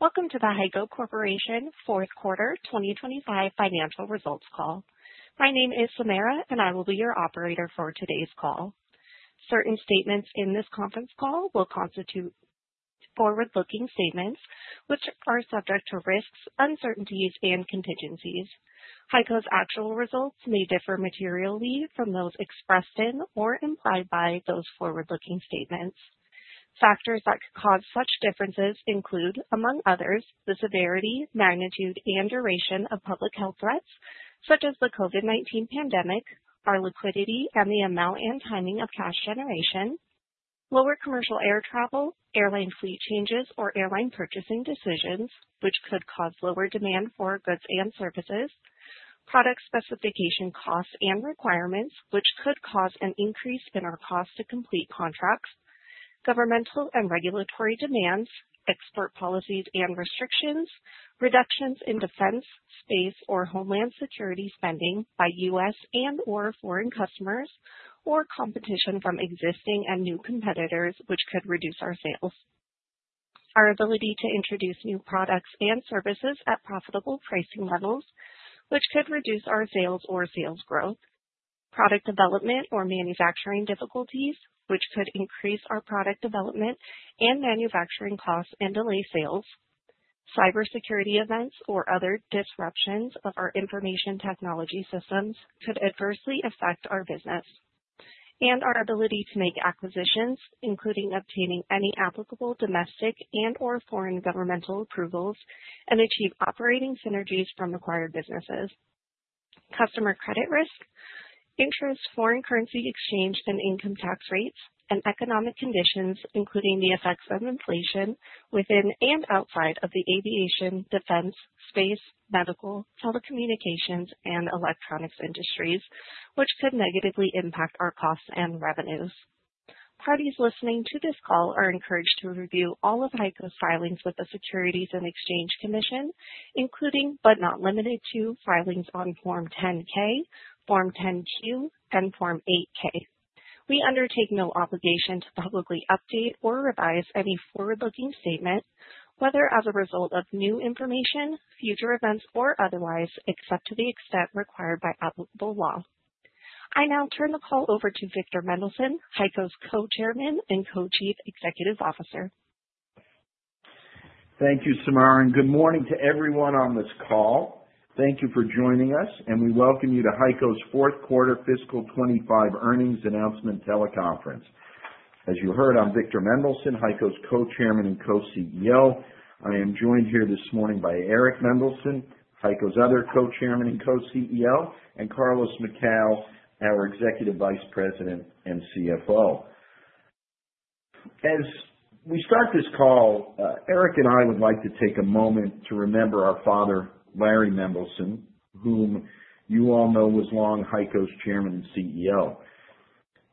Welcome to the HEICO Corporation Fourth Quarter 2025 Financial Results Call. My name is Samara, and I will be your operator for today's call. Certain statements in this conference call will constitute forward-looking statements, which are subject to risks, uncertainties, and contingencies. HEICO's actual results may differ materially from those expressed in or implied by those forward-looking statements. Factors that could cause such differences include, among others, the severity, magnitude, and duration of public health threats such as the COVID-19 pandemic, our liquidity, and the amount and timing of cash generation. Lower commercial air travel, airline fleet changes, or airline purchasing decisions, which could cause lower demand for goods and services. Product specification costs and requirements, which could cause an increase in our cost to complete contracts. Governmental and regulatory demands. Export policies and restrictions. Reductions in defense, space, or homeland security spending by U.S. and/or foreign customers, or competition from existing and new competitors, which could reduce our sales, our ability to introduce new products and services at profitable pricing levels, which could reduce our sales or sales growth, product development or manufacturing difficulties, which could increase our product development and manufacturing costs and delay sales, cybersecurity events or other disruptions of our information technology systems could adversely affect our business, and our ability to make acquisitions, including obtaining any applicable domestic and/or foreign governmental approvals and achieve operating synergies from acquired businesses, customer credit risk, interest, foreign currency exchange, and income tax rates, and economic conditions, including the effects of inflation within and outside of the aviation, defense, space, medical, telecommunications, and electronics industries, which could negatively impact our costs and revenues. Parties listening to this call are encouraged to review all of HEICO's filings with the Securities and Exchange Commission, including, but not limited to, filings on Form 10-K, Form 10-Q, and Form 8-K. We undertake no obligation to publicly update or revise any forward-looking statement, whether as a result of new information, future events, or otherwise, except to the extent required by applicable law. I now turn the call over to Victor Mendelson, HEICO's Co-Chairman and Co-Chief Executive Officer. Thank you, Samara. And good morning to everyone on this call. Thank you for joining us, and we welcome you to HEICO's Fourth Quarter Fiscal 2025 Earnings Announcement Teleconference. As you heard, I'm Victor Mendelson, HEICO's Co-Chairman and Co-CEO. I am joined here this morning by Eric Mendelson, HEICO's other Co-Chairman and Co-CEO, and Carlos Macau, our Executive Vice President and CFO. As we start this call, Eric and I would like to take a moment to remember our father, Larry Mendelson, whom you all know was long HEICO's Chairman and CEO.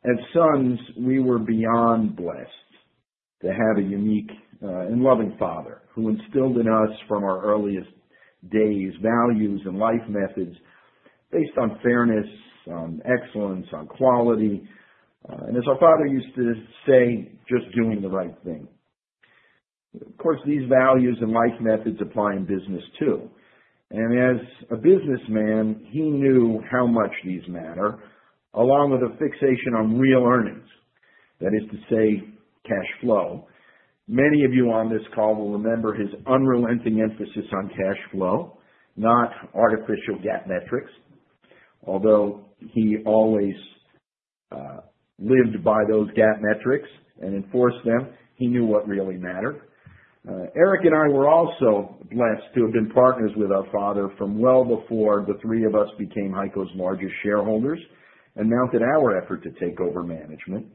As sons, we were beyond blessed to have a unique and loving father who instilled in us from our earliest days values and life methods based on fairness, on excellence, on quality. And as our father used to say, "Just doing the right thing." Of course, these values and life methods apply in business too. As a businessman, he knew how much these matter, along with a fixation on real earnings, that is to say, cash flow. Many of you on this call will remember his unrelenting emphasis on cash flow, not artificial GAAP metrics. Although he always lived by those GAAP metrics and enforced them, he knew what really mattered. Eric and I were also blessed to have been partners with our father from well before the three of us became HEICO's largest shareholders and mounted our effort to take over management.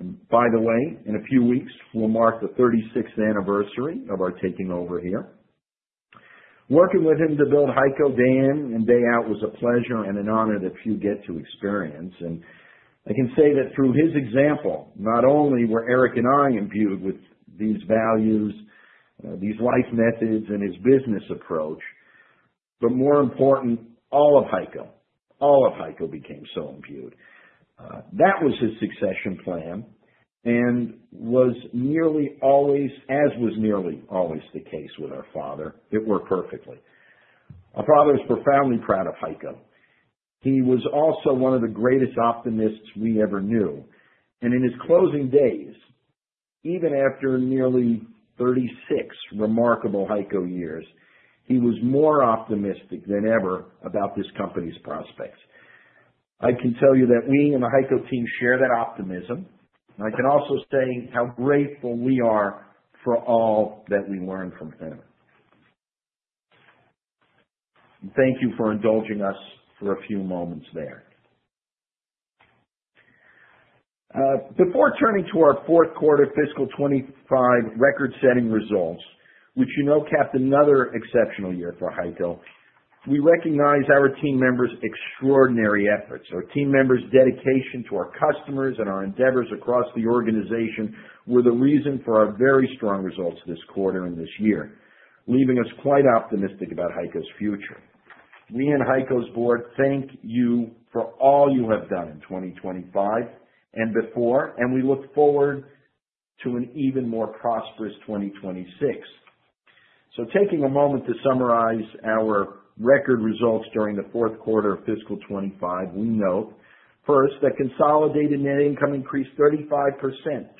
And by the way, in a few weeks, we'll mark the 36th anniversary of our taking over here. Working with him to build HEICO day in and day out was a pleasure and an honor that few get to experience. And I can say that through his example, not only were Eric and I imbued with these values, these life methods, and his business approach, but more important, all of HEICO, all of HEICO became so imbued. That was his succession plan and, as was nearly always the case with our father, it worked perfectly. Our father was profoundly proud of HEICO. He was also one of the greatest optimists we ever knew. And in his closing days, even after nearly 36 remarkable HEICO years, he was more optimistic than ever about this company's prospects. I can tell you that we and the HEICO team share that optimism. And I can also say how grateful we are for all that we learned from him. And thank you for indulging us for a few moments there. Before turning to our Fourth Quarter Fiscal 2025 record-setting results, which you know capped another exceptional year for HEICO, we recognize our team members' extraordinary efforts. Our team members' dedication to our customers and our endeavors across the organization were the reason for our very strong results this quarter and this year, leaving us quite optimistic about HEICO's future. We and HEICO's board thank you for all you have done in 2025 and before, and we look forward to an even more prosperous 2026. Taking a moment to summarize our record results during the Fourth Quarter of Fiscal 2025, we note, first, that consolidated net income increased 35%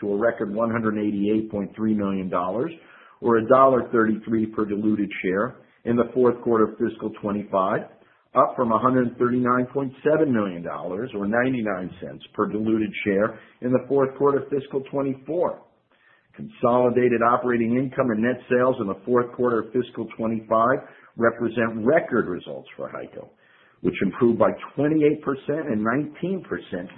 to a record $188.3 million, or $1.33 per diluted share in the Fourth Quarter of Fiscal 2025, up from $139.7 million, or $0.99 per diluted share in the Fourth Quarter of Fiscal 2024. Consolidated operating income and net sales in the Fourth Quarter of Fiscal 25 represent record results for HEICO, which improved by 28% and 19%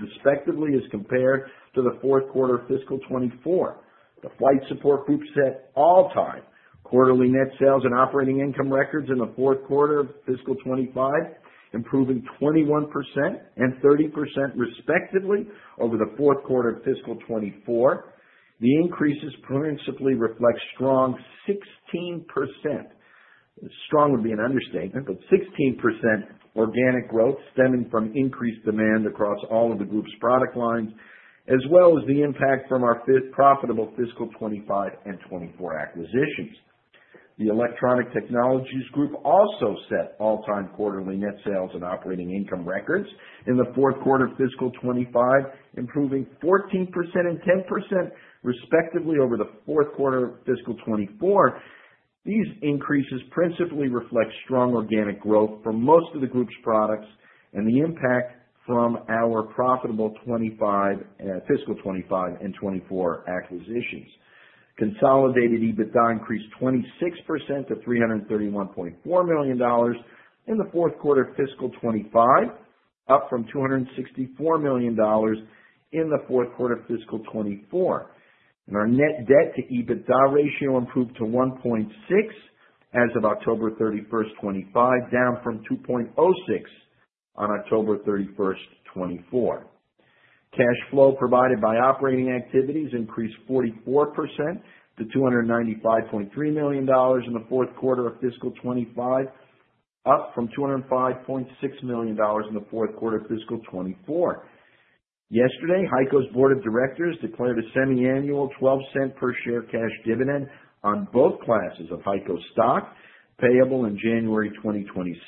respectively as compared to the Fourth Quarter of Fiscal 24. The Flight Support Group set all-time quarterly net sales and operating income records in the Fourth Quarter of Fiscal 25, improving 21% and 30% respectively over the Fourth Quarter of Fiscal 24. The increases principally reflect strong 16%. Strong would be an understatement, but 16% organic growth stemming from increased demand across all of the group's product lines, as well as the impact from our profitable Fiscal 25 and 24 acquisitions. The Electronic Technologies Group also set all-time quarterly net sales and operating income records in the Fourth Quarter of Fiscal 25, improving 14% and 10% respectively over the Fourth Quarter of Fiscal 24. These increases principally reflect strong organic growth for most of the group's products and the impact from our profitable Fiscal 25 and 24 acquisitions. Consolidated EBITDA increased 26% to $331.4 million in the Fourth Quarter of Fiscal 25, up from $264 million in the Fourth Quarter of Fiscal 24. And our net debt-to-EBITDA ratio improved to 1.6 as of October 31st, 2025, down from 2.06 on October 31st, 2024. Cash flow provided by operating activities increased 44% to $295.3 million in the Fourth Quarter of Fiscal 25, up from $205.6 million in the Fourth Quarter of Fiscal 24. Yesterday, HEICO's board of directors declared a semiannual $0.12 per share cash dividend on both classes of HEICO stock payable in January 2026,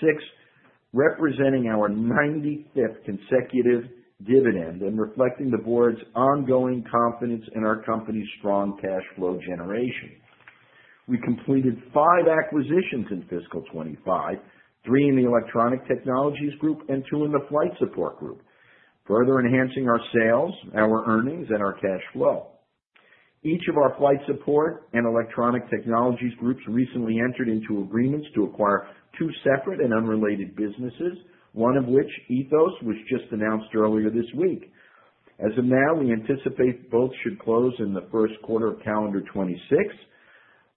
representing our 95th consecutive dividend and reflecting the board's ongoing confidence in our company's strong cash flow generation. We completed five acquisitions in Fiscal 2025, three in the Electronic Technologies Group and two Flight Support Group, further enhancing our sales, our earnings, and our cash flow. Each of our flight support and Electronic Technologies Groups recently entered into agreements to acquire two separate and unrelated businesses, one of which, Ethos, was just announced earlier this week. As of now, we anticipate both should close in the first quarter of calendar 2026,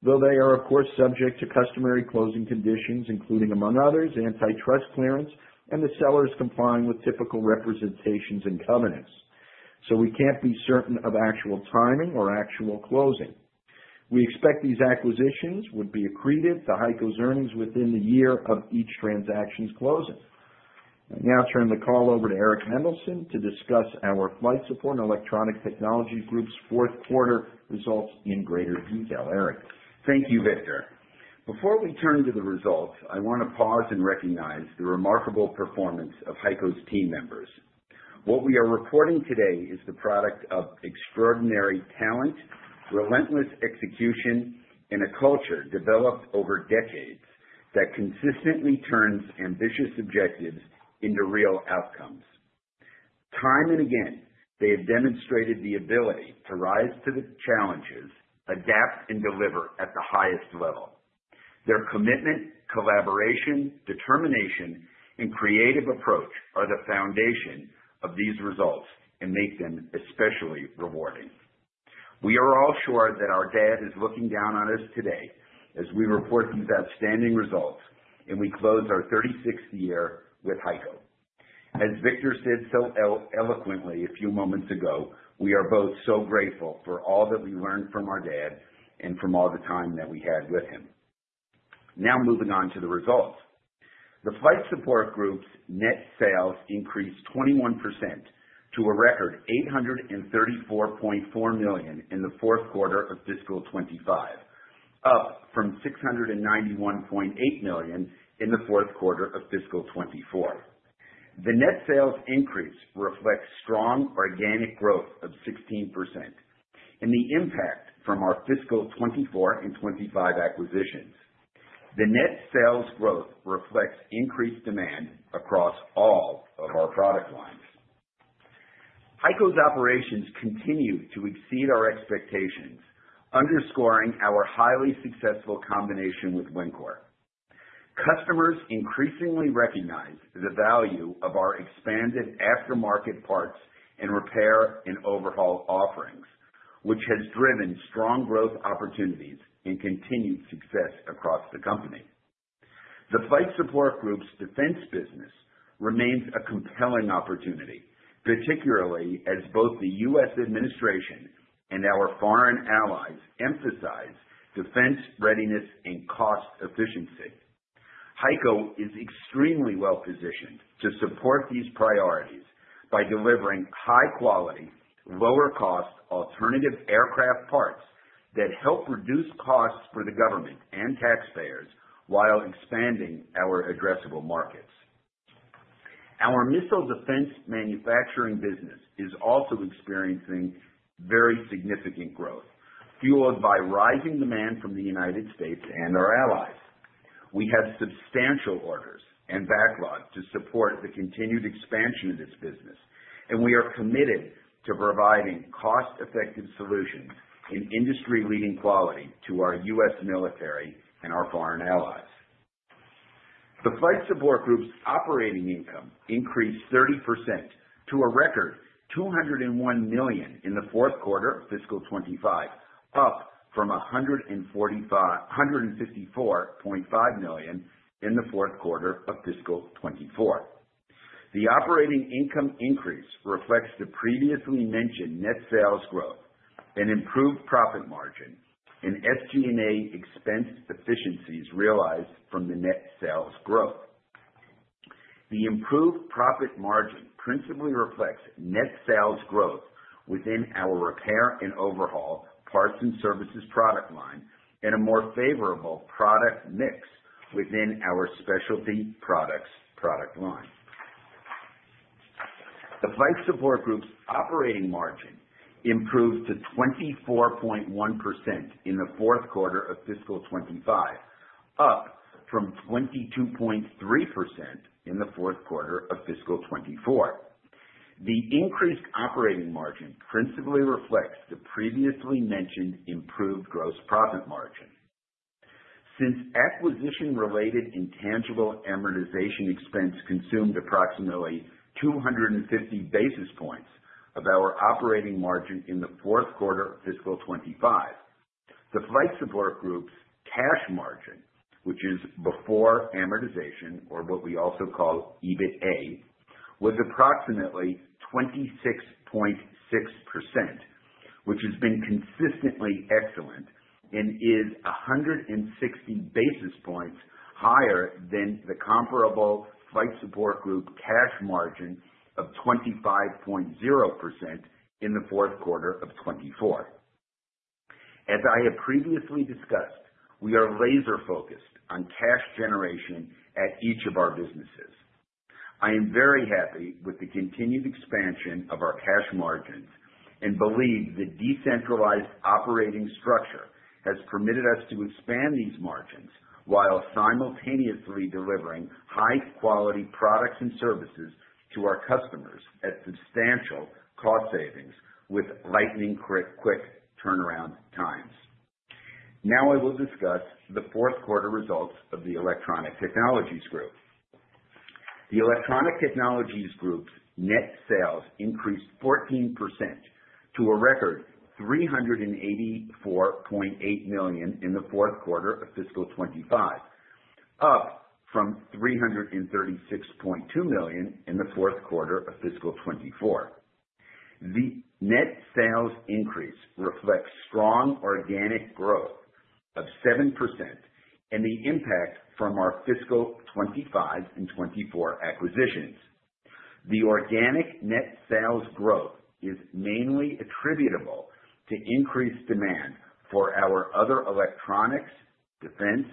though they are, of course, subject to customary closing conditions, including, among others, antitrust clearance and the sellers complying with typical representations and covenants. So we can't be certain of actual timing or actual closing. We expect these acquisitions would be accretive to HEICO's earnings within the year of each transaction's closing. I now turn the call over to Eric Mendelson to discuss our flight support and electronic technology group's fourth quarter results in greater detail. Eric. Thank you, Victor. Before we turn to the results, I want to pause and recognize the remarkable performance of HEICO's team members. What we are reporting today is the product of extraordinary talent, relentless execution, and a culture developed over decades that consistently turns ambitious objectives into real outcomes. Time and again, they have demonstrated the ability to rise to the challenges, adapt, and deliver at the highest level. Their commitment, collaboration, determination, and creative approach are the foundation of these results and make them especially rewarding. We are all sure that our dad is looking down on us today as we report these outstanding results and we close our 36th year with HEICO. As Victor said so eloquently a few moments ago, we are both so grateful for all that we learned from our dad and from all the time that we had with him. Now moving on to the Flight Support Group's net sales increased 21% to a record $834.4 million in the Fourth Quarter of Fiscal 2025, up from $691.8 million in the Fourth Quarter of Fiscal 2024. The net sales increase reflects strong organic growth of 16% and the impact from our Fiscal 2024 and 2025 acquisitions. The net sales growth reflects increased demand across all of our product lines. HEICO's operations continue to exceed our expectations, underscoring our highly successful combination with Wencor. Customers increasingly recognize the value of our expanded aftermarket parts and repair and overhaul offerings, which has driven strong growth opportunities and continued success across the Flight Support Group's defense business remains a compelling opportunity, particularly as both the U.S. administration and our foreign allies emphasize defense readiness and cost efficiency. HEICO is extremely well-positioned to support these priorities by delivering high-quality, lower-cost alternative aircraft parts that help reduce costs for the government and taxpayers while expanding our addressable markets. Our missile defense manufacturing business is also experiencing very significant growth, fueled by rising demand from the United States and our allies. We have substantial orders and backlog to support the continued expansion of this business, and we are committed to providing cost-effective solutions in industry-leading quality to our U.S. military and our foreign Flight Support Group's operating income increased 30% to a record $201 million in the Fourth Quarter of Fiscal 2025, up from $154.5 million in the Fourth Quarter of Fiscal 2024. The operating income increase reflects the previously mentioned net sales growth, an improved profit margin, and SG&A expense efficiencies realized from the net sales growth. The improved profit margin principally reflects net sales growth within our Repair and Overhaul parts and services product line and a more favorable product mix within our specialty products product line. The Flight Support Group's operating margin improved to 24.1% in the Fourth Quarter of Fiscal 2025, up from 22.3% in the Fourth Quarter of Fiscal 2024. The increased operating margin principally reflects the previously mentioned improved gross profit margin. Since acquisition-related intangible amortization expense consumed approximately 250 basis points of our operating margin in the Fourth Quarter of Fiscal 2025, the Flight Support Group's cash margin, which is before amortization, or what we also call EBITA, was approximately 26.6%, which has been consistently excellent and is 160 basis points higher than the comparable Flight Support Group cash margin of 25.0% in the Fourth Quarter of 2024. As I have previously discussed, we are laser-focused on cash generation at each of our businesses. I am very happy with the continued expansion of our cash margins and believe the decentralized operating structure has permitted us to expand these margins while simultaneously delivering high-quality products and services to our customers at substantial cost savings with lightning-quick turnaround times. Now I will discuss the fourth quarter results of the Electronic Technologies Group. The Electronic Technologies Group's net sales increased 14% to a record $384.8 million in the fourth quarter of Fiscal 2025, up from $336.2 million in the fourth quarter of Fiscal 2024. The net sales increase reflects strong organic growth of 7% and the impact from our Fiscal 2025 and 2024 acquisitions. The organic net sales growth is mainly attributable to increased demand for our other electronics, defense,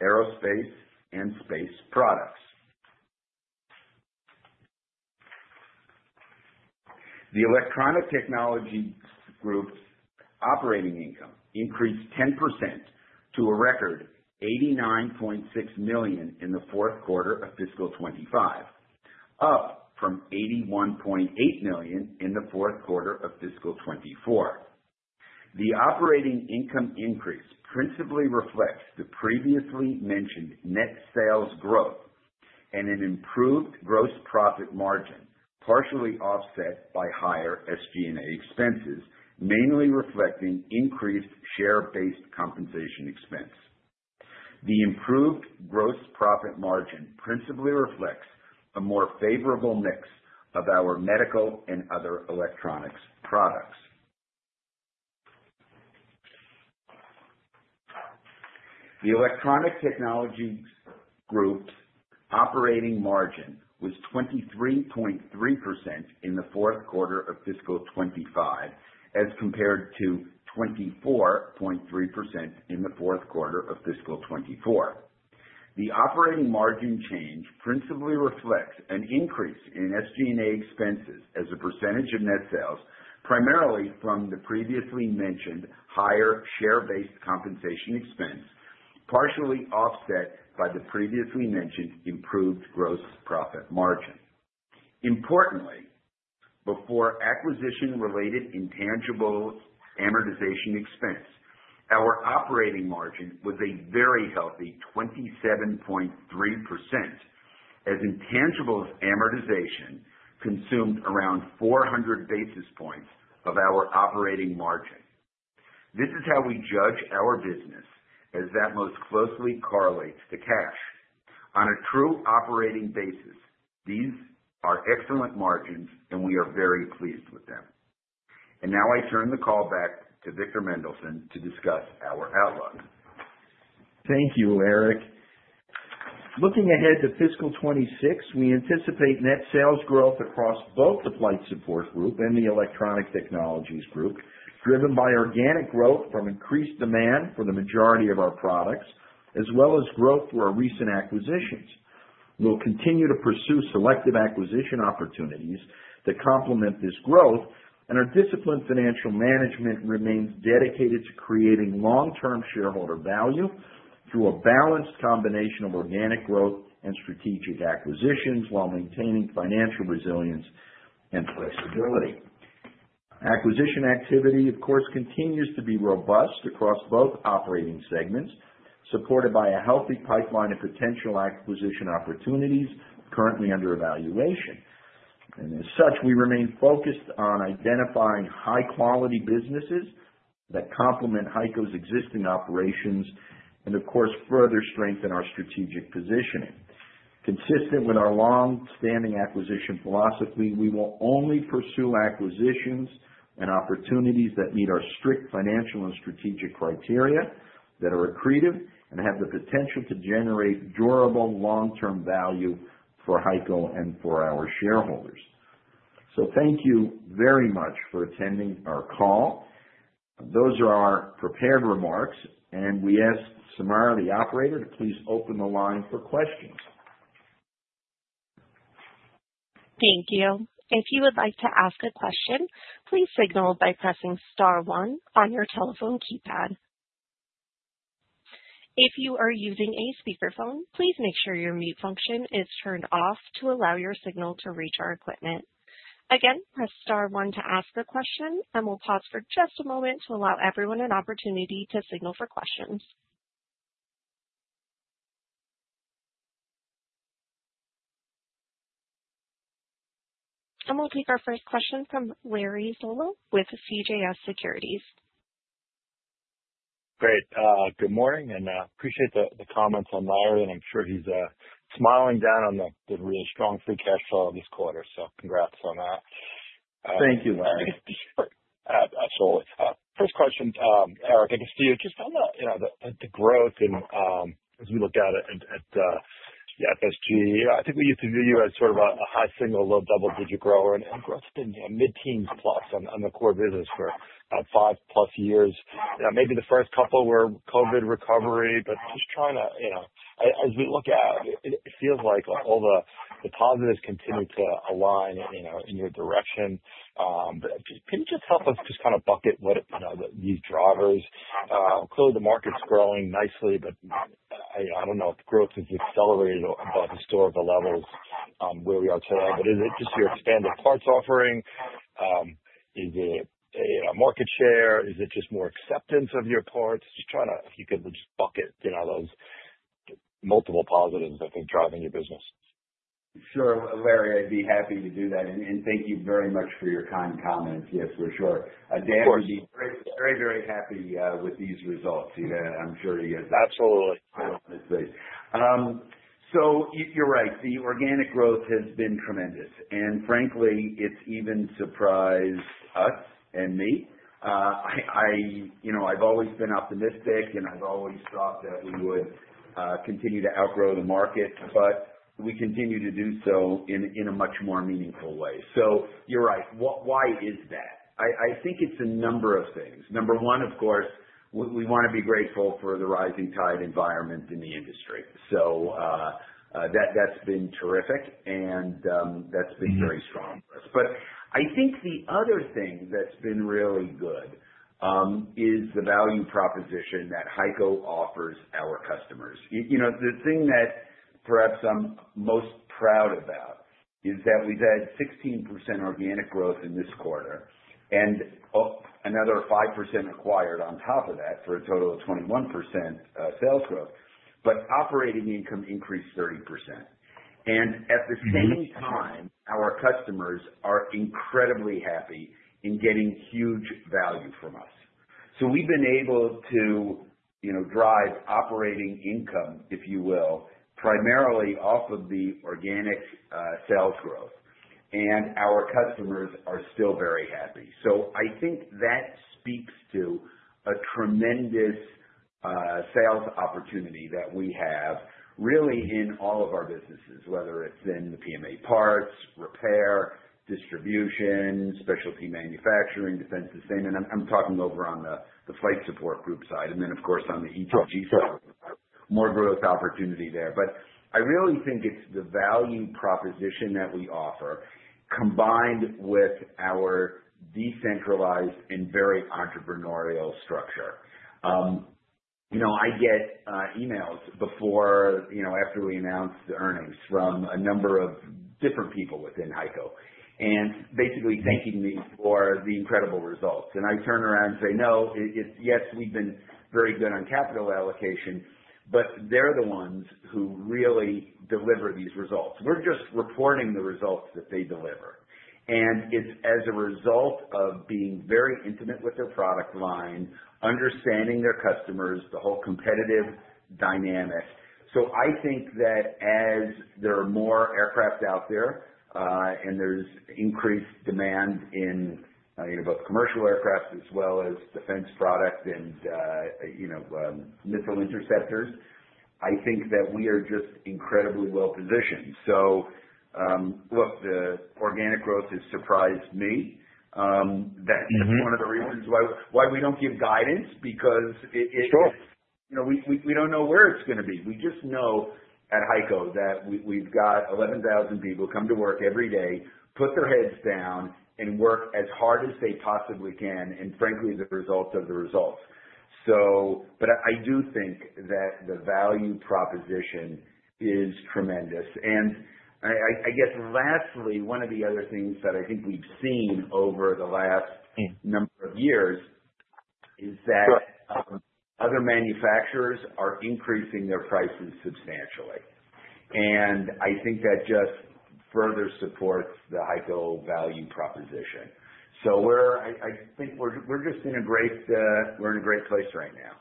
aerospace, and space products. The Electronic Technologies Group's operating income increased 10% to a record $89.6 million in the Fourth Quarter of Fiscal 25, up from $81.8 million in the Fourth Quarter of Fiscal 24. The operating income increase principally reflects the previously mentioned net sales growth and an improved gross profit margin, partially offset by higher SG&A expenses, mainly reflecting increased share-based compensation expense. The improved gross profit margin principally reflects a more favorable mix of our medical and other electronics products. The Electronic Technologies Group's operating margin was 23.3% in the Fourth Quarter of Fiscal 25 as compared to 24.3% in the Fourth Quarter of Fiscal 24. The operating margin change principally reflects an increase in SG&A expenses as a percentage of net sales, primarily from the previously mentioned higher share-based compensation expense, partially offset by the previously mentioned improved gross profit margin. Importantly, before acquisition-related intangible amortization expense, our operating margin was a very healthy 27.3%, as intangible amortization consumed around 400 basis points of our operating margin. This is how we judge our business, as that most closely correlates to cash. On a true operating basis, these are excellent margins, and we are very pleased with them. And now I turn the call back to Victor Mendelson to discuss our outlook. Thank you, Eric. Looking ahead to Fiscal 2026, we anticipate net sales growth across both the Flight Support Group and the Electronic Technologies Group, driven by organic growth from increased demand for the majority of our products, as well as growth through our recent acquisitions. We'll continue to pursue selective acquisition opportunities that complement this growth, and our disciplined financial management remains dedicated to creating long-term shareholder value through a balanced combination of organic growth and strategic acquisitions while maintaining financial resilience and flexibility. Acquisition activity, of course, continues to be robust across both operating segments, supported by a healthy pipeline of potential acquisition opportunities currently under evaluation. As such, we remain focused on identifying high-quality businesses that complement HEICO's existing operations and, of course, further strengthen our strategic positioning. Consistent with our long-standing acquisition philosophy, we will only pursue acquisitions and opportunities that meet our strict financial and strategic criteria that are accretive and have the potential to generate durable long-term value for HEICO and for our shareholders. So thank you very much for attending our call. Those are our prepared remarks, and we ask Samara, the operator, to please open the line for questions. Thank you. If you would like to ask a question, please signal by pressing star one on your telephone keypad. If you are using a speakerphone, please make sure your mute function is turned off to allow your signal to reach our equipment. Again, press star one to ask a question, and we'll pause for just a moment to allow everyone an opportunity to signal for questions. And we'll take our first question from Larry Solow with CJS Securities. Great. Good morning, and I appreciate the comments on Larry. And I'm sure he's smiling down on the really strong free cash flow this quarter, so congrats on that. Thank you, Larry. Absolutely. First question, Eric, I guess to you, just on the growth and as we look at it at FSG, I think we used to view you as sort of a high single, low double-digit grower and grew in mid-teens plus on the core business for five-plus years. Maybe the first couple were COVID recovery, but just trying to, as we look at it, it feels like all the positives continue to align in your direction. Can you just help us just kind of bucket these drivers? Clearly, the market's growing nicely, but I don't know if growth has accelerated above historical levels where we are today. But is it just your expanded parts offering? Is it a market share? Is it just more acceptance of your parts? Just trying to, if you could just bucket those multiple positives, I think, driving your business. Sure, Larry, I'd be happy to do that. And thank you very much for your kind comments. Yes, for sure. Dan would be very, very happy with these results. I'm sure he is. Absolutely. I don't want to say. So you're right. The organic growth has been tremendous, and frankly, it's even surprised us and me. I've always been optimistic, and I've always thought that we would continue to outgrow the market, but we continue to do so in a much more meaningful way. So you're right. Why is that? I think it's a number of things. Number one, of course, we want to be grateful for the rising tide environment in the industry. So that's been terrific, and that's been very strong for us. But I think the other thing that's been really good is the value proposition that HEICO offers our customers. The thing that perhaps I'm most proud about is that we've had 16% organic growth in this quarter and another 5% acquired on top of that for a total of 21% sales growth, but operating income increased 30%. And at the same time, our customers are incredibly happy in getting huge value from us. So we've been able to drive operating income, if you will, primarily off of the organic sales growth, and our customers are still very happy. So I think that speaks to a tremendous sales opportunity that we have really in all of our businesses, whether it's in the PMA parts, repair, distribution, specialty manufacturing, defense sustainment. I'm talking over on the Flight Support Group side, and then, of course, on the ESG support group side, more growth opportunity there. But I really think it's the value proposition that we offer combined with our decentralized and very entrepreneurial structure. I get emails after we announce the earnings from a number of different people within HEICO and basically thanking me for the incredible results. I turn around and say, "No, yes, we've been very good on capital allocation, but they're the ones who really deliver these results. We're just reporting the results that they deliver." And it's as a result of being very intimate with their product line, understanding their customers, the whole competitive dynamic. So I think that as there are more aircraft out there and there's increased demand in both commercial aircraft as well as defense products and missile interceptors, I think that we are just incredibly well-positioned. So look, the organic growth has surprised me. That's one of the reasons why we don't give guidance because we don't know where it's going to be. We just know at HEICO that we've got 11,000 people come to work every day, put their heads down, and work as hard as they possibly can, and frankly, the result of the results. But I do think that the value proposition is tremendous. And I guess lastly, one of the other things that I think we've seen over the last number of years is that other manufacturers are increasing their prices substantially. And I think that just further supports the HEICO value proposition. So I think we're just in a great place right now.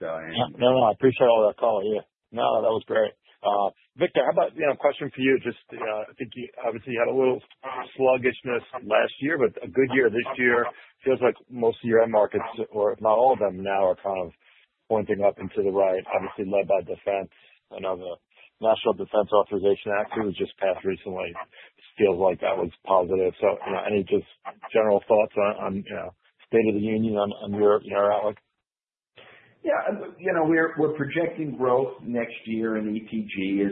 Yeah. No, no. I appreciate all that call. Yeah. No, that was great. Victor, how about a question for you? Just I think you obviously had a little sluggishness last year, but a good year this year. It feels like most of your end markets, or if not all of them now, are kind of pointing up and to the right, obviously led by defense. I know the National Defense Authorization Act, who was just passed recently, feels like that was positive. So any just general thoughts on state of the union on your outlook? Yeah. We're projecting growth next year in ETG,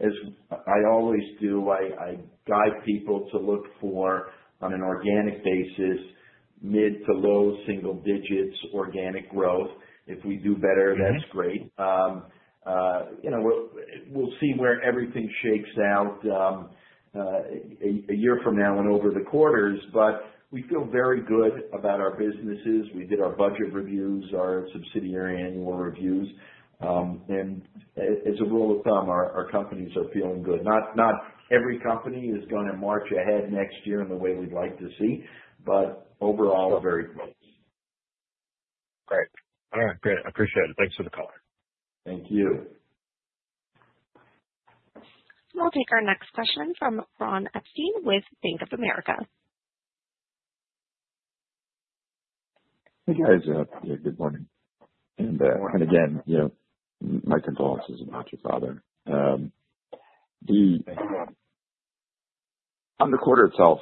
as I always do. I guide people to look for, on an organic basis, mid- to low-single-digits organic growth. If we do better, that's great. We'll see where everything shakes out a year from now and over the quarters, but we feel very good about our businesses. We did our budget reviews, our subsidiary annual reviews. And as a rule of thumb, our companies are feeling good. Not every company is going to march ahead next year in the way we'd like to see, but overall, very close. Great. All right. Great. I appreciate it. Thanks for the call. Thank you. We'll take our next question from Ron Epstein with Bank of America. Hey, guys. Good morning. And again, my condolences to your father. On the quarter itself,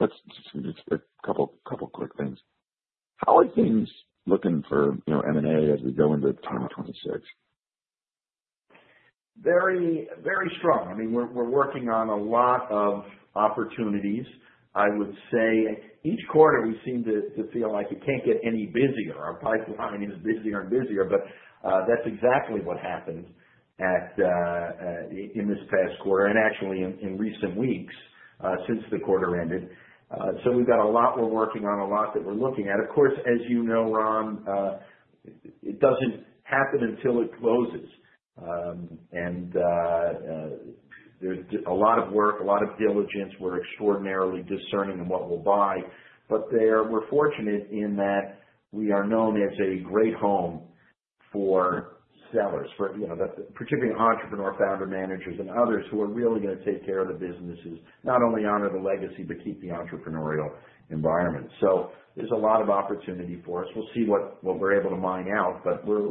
let's just pick a couple of quick things. How are things looking for M&A as we go into 2026? Very strong. I mean, we're working on a lot of opportunities. I would say each quarter, we seem to feel like it can't get any busier. Our pipeline is busier and busier, but that's exactly what happened in this past quarter and actually in recent weeks since the quarter ended. So we've got a lot we're working on, a lot that we're looking at. Of course, as you know, Ron, it doesn't happen until it closes. And there's a lot of work, a lot of diligence. We're extraordinarily discerning in what we'll buy. But we're fortunate in that we are known as a great home for sellers, particularly entrepreneur founder managers and others who are really going to take care of the businesses, not only honor the legacy, but keep the entrepreneurial environment. So there's a lot of opportunity for us. We'll see what we're able to mine out, but we're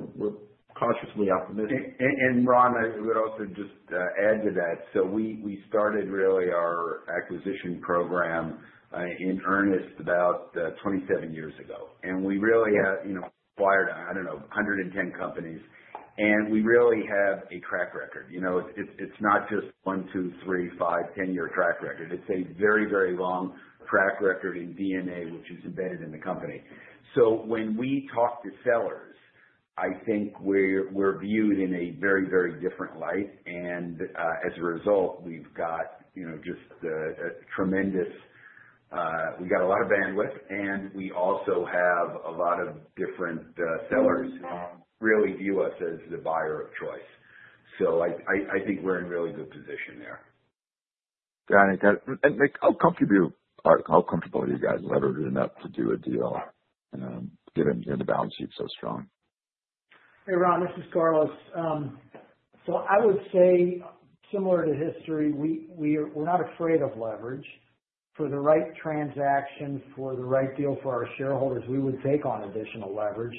cautiously optimistic. And Ron, I would also just add to that. So we started really our acquisition program in earnest about 27 years ago. And we really acquired, I don't know, 110 companies. And we really have a track record. It's not just one, two, three, five, ten-year track record. It's a very, very long track record in DNA, which is embedded in the company. So when we talk to sellers, I think we're viewed in a very, very different light. And as a result, we've got just a tremendous lot of bandwidth, and we also have a lot of different sellers who really view us as the buyer of choice. So I think we're in a really good position there. Got it. And how comfortable are you guys leveraging that to do a deal given the balance sheet is so strong? Hey, Ron, this is Carlos. So I would say, similar to history, we're not afraid of leverage. For the right transaction, for the right deal for our shareholders, we would take on additional leverage.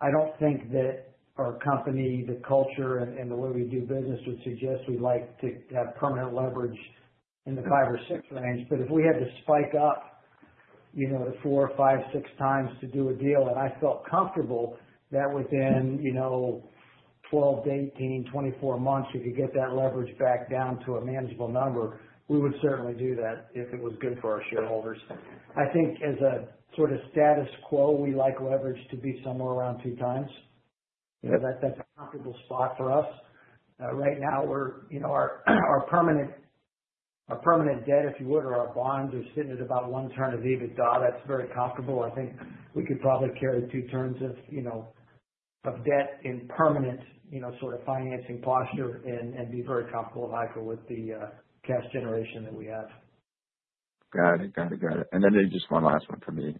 I don't think that our company, the culture, and the way we do business would suggest we'd like to have permanent leverage in the five or six range. But if we had to spike up to four or five, six times to do a deal, and I felt comfortable that within 12-18, 24 months, we could get that leverage back down to a manageable number, we would certainly do that if it was good for our shareholders. I think as a sort of status quo, we like leverage to be somewhere around two times. That's a comfortable spot for us. Right now, our permanent debt, if you would, or our bonds are sitting at about one turn of EBITDA. That's very comfortable. I think we could probably carry two turns of debt in permanent sort of financing posture and be very comfortable with HEICO with the cash generation that we have. Got it. Then just one last one for me.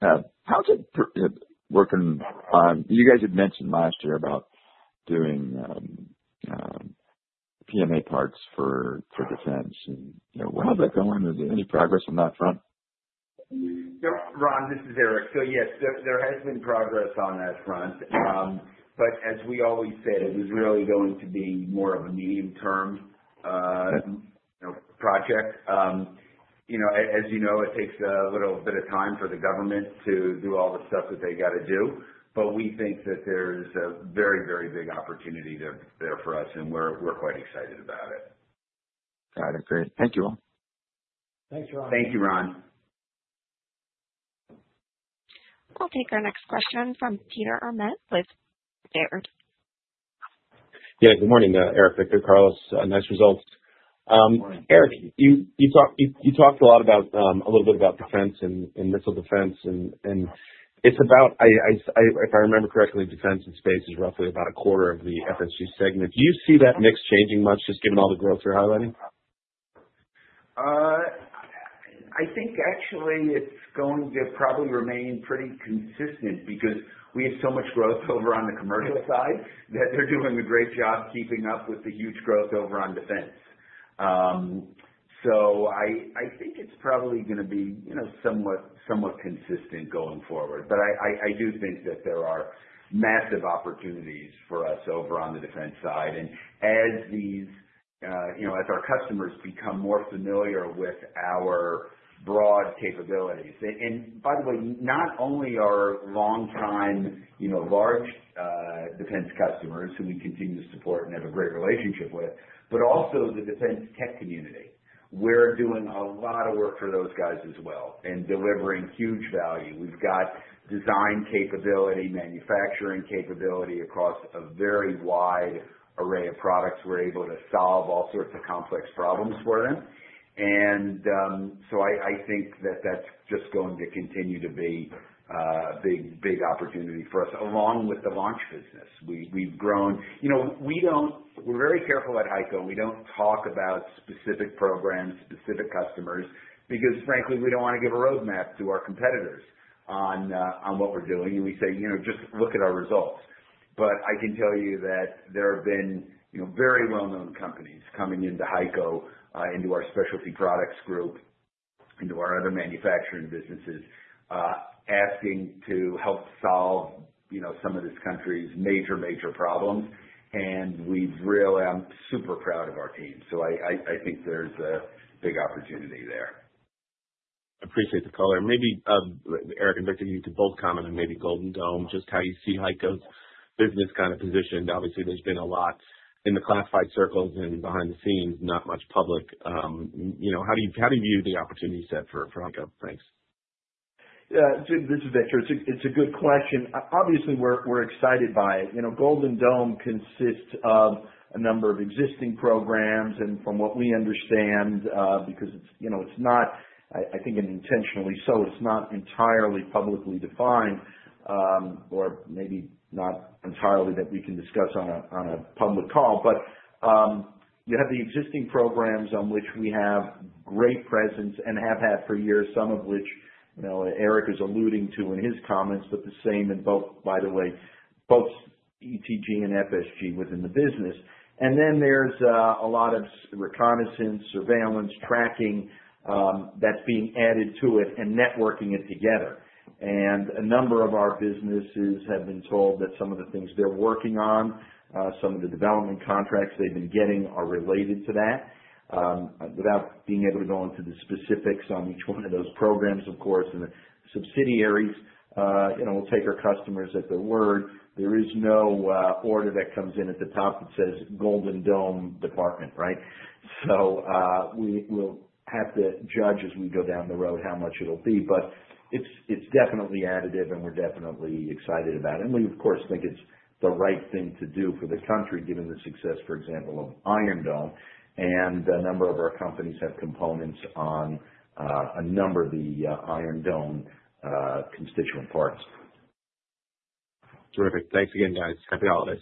How's it working? You guys had mentioned last year about doing PMA parts for defense. How's that going? Is there any progress on that front? Ron, this is Eric. So yes, there has been progress on that front. But as we always said, it was really going to be more of a medium-term project. As you know, it takes a little bit of time for the government to do all the stuff that they got to do. But we think that there's a very, very big opportunity there for us, and we're quite excited about it. Got it. Great. Thank you all. Thanks, Ron. Thank you, Ron. We'll take our next question from Peter Arment with Baird. Yeah. Good morning, Eric, Victor, Carlos. Nice results. Eric, you talked a little bit about defense and missile defense. And if I remember correctly, defense and space is roughly about a quarter of the FSG segment. Do you see that mix changing much, just given all the growth you're highlighting? I think actually it's going to probably remain pretty consistent because we have so much growth over on the commercial side that they're doing a great job keeping up with the huge growth over on defense. So I think it's probably going to be somewhat consistent going forward. But I do think that there are massive opportunities for us over on the defense side. And as our customers become more familiar with our broad capabilities and by the way, not only our long-time large defense customers who we continue to support and have a great relationship with, but also the defense tech community. We're doing a lot of work for those guys as well and delivering huge value. We've got design capability, manufacturing capability across a very wide array of products. We're able to solve all sorts of complex problems for them. And so I think that that's just going to continue to be a big opportunity for us along with the launch business. We've grown. We're very careful at HEICO. We don't talk about specific programs, specific customers, because frankly, we don't want to give a roadmap to our competitors on what we're doing. And we say, "Just look at our results." But I can tell you that there have been very well-known companies coming into HEICO, into our specialty products group, into our other manufacturing businesses, asking to help solve some of this country's major, major problems. And I'm super proud of our team. So I think there's a big opportunity there. I appreciate the call. And maybe, Eric and Victor, you can both comment on maybe Golden Dome, just how you see HEICO's business kind of positioned. Obviously, there's been a lot in the classified circles and behind the scenes, not much public. How do you view the opportunity set for HEICO? Thanks. Yeah. This is Victor. It's a good question. Obviously, we're excited by it. Golden Dome consists of a number of existing programs, and from what we understand, because it's not, I think, intentionally so, it's not entirely publicly defined or maybe not entirely that we can discuss on a public call, but you have the existing programs on which we have great presence and have had for years, some of which Eric is alluding to in his comments, but the same in both, by the way, both ETG and FSG within the business, and then there's a lot of reconnaissance, surveillance, tracking that's being added to it and networking it together, and a number of our businesses have been told that some of the things they're working on, some of the development contracts they've been getting are related to that. Without being able to go into the specifics on each one of those programs, of course, and the subsidiaries, we'll take our customers at their word. There is no order that comes in at the top that says Golden Dome Department, right? So we'll have to judge as we go down the road how much it'll be. But it's definitely additive, and we're definitely excited about it. And we, of course, think it's the right thing to do for the country given the success, for example, of Iron Dome. And a number of our companies have components on a number of the Iron Dome constituent parts. Terrific. Thanks again, guys. Happy holidays.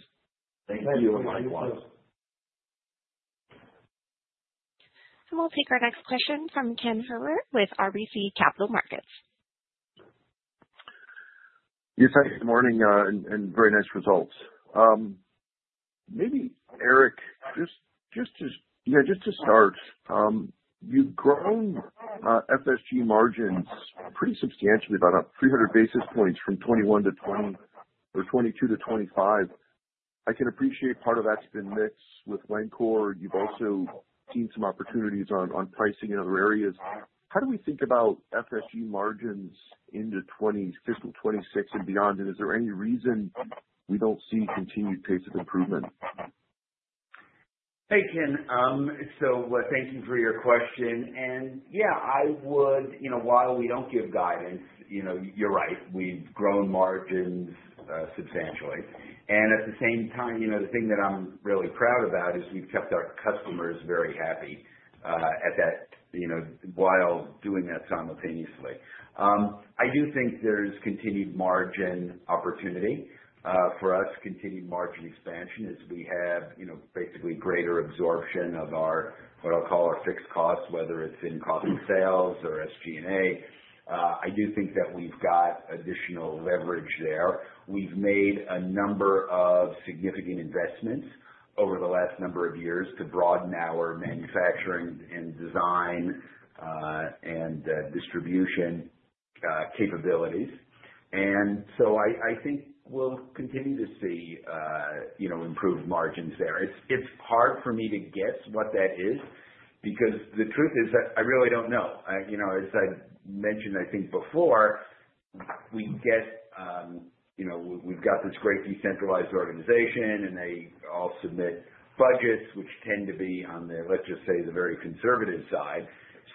Thank you. Have a great one. And we'll take our next question from Ken Herbert with RBC Capital Markets. Yes, hi. Good morning and very nice results. Maybe, Eric, just to start, you've grown FSG margins pretty substantially, about 300 basis points from 21-24 or 22-25. I can appreciate part of that's been mixed with Wencor. You've also seen some opportunities on pricing in other areas. How do we think about FSG margins into fiscal 26 and beyond? And is there any reason we don't see continued pace of improvement? Hey, Ken. So thank you for your question. And yeah, I would, while we don't give guidance, you're right. We've grown margins substantially. And at the same time, the thing that I'm really proud about is we've kept our customers very happy while doing that simultaneously. I do think there's continued margin opportunity for us, continued margin expansion as we have basically greater absorption of what I'll call our fixed costs, whether it's in cost of sales or SG&A. I do think that we've got additional leverage there. We've made a number of significant investments over the last number of years to broaden our manufacturing and design and distribution capabilities. And so I think we'll continue to see improved margins there. It's hard for me to guess what that is because the truth is I really don't know. As I mentioned, I think before, we've got this great decentralized organization, and they all submit budgets, which tend to be on the, let's just say, the very conservative side.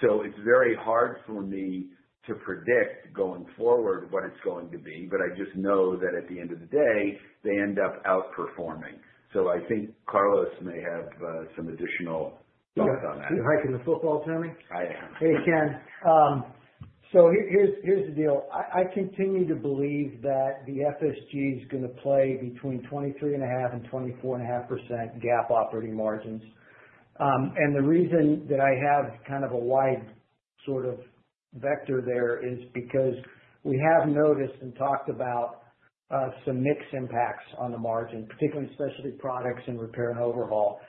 So it's very hard for me to predict going forward what it's going to be. But I just know that at the end of the day, they end up outperforming. So I think Carlos may have some additional thoughts on that. You're hiking the football, Tommy? I am. Hey, Ken. So here's the deal. I continue to believe that the FSG is going to be between 23.5%-24.5% GAAP operating margins. And the reason that I have kind of a wide sort of band there is because we have noticed and talked about some mixed impacts on the margin, particularly specialty products and Repair and Overhaul.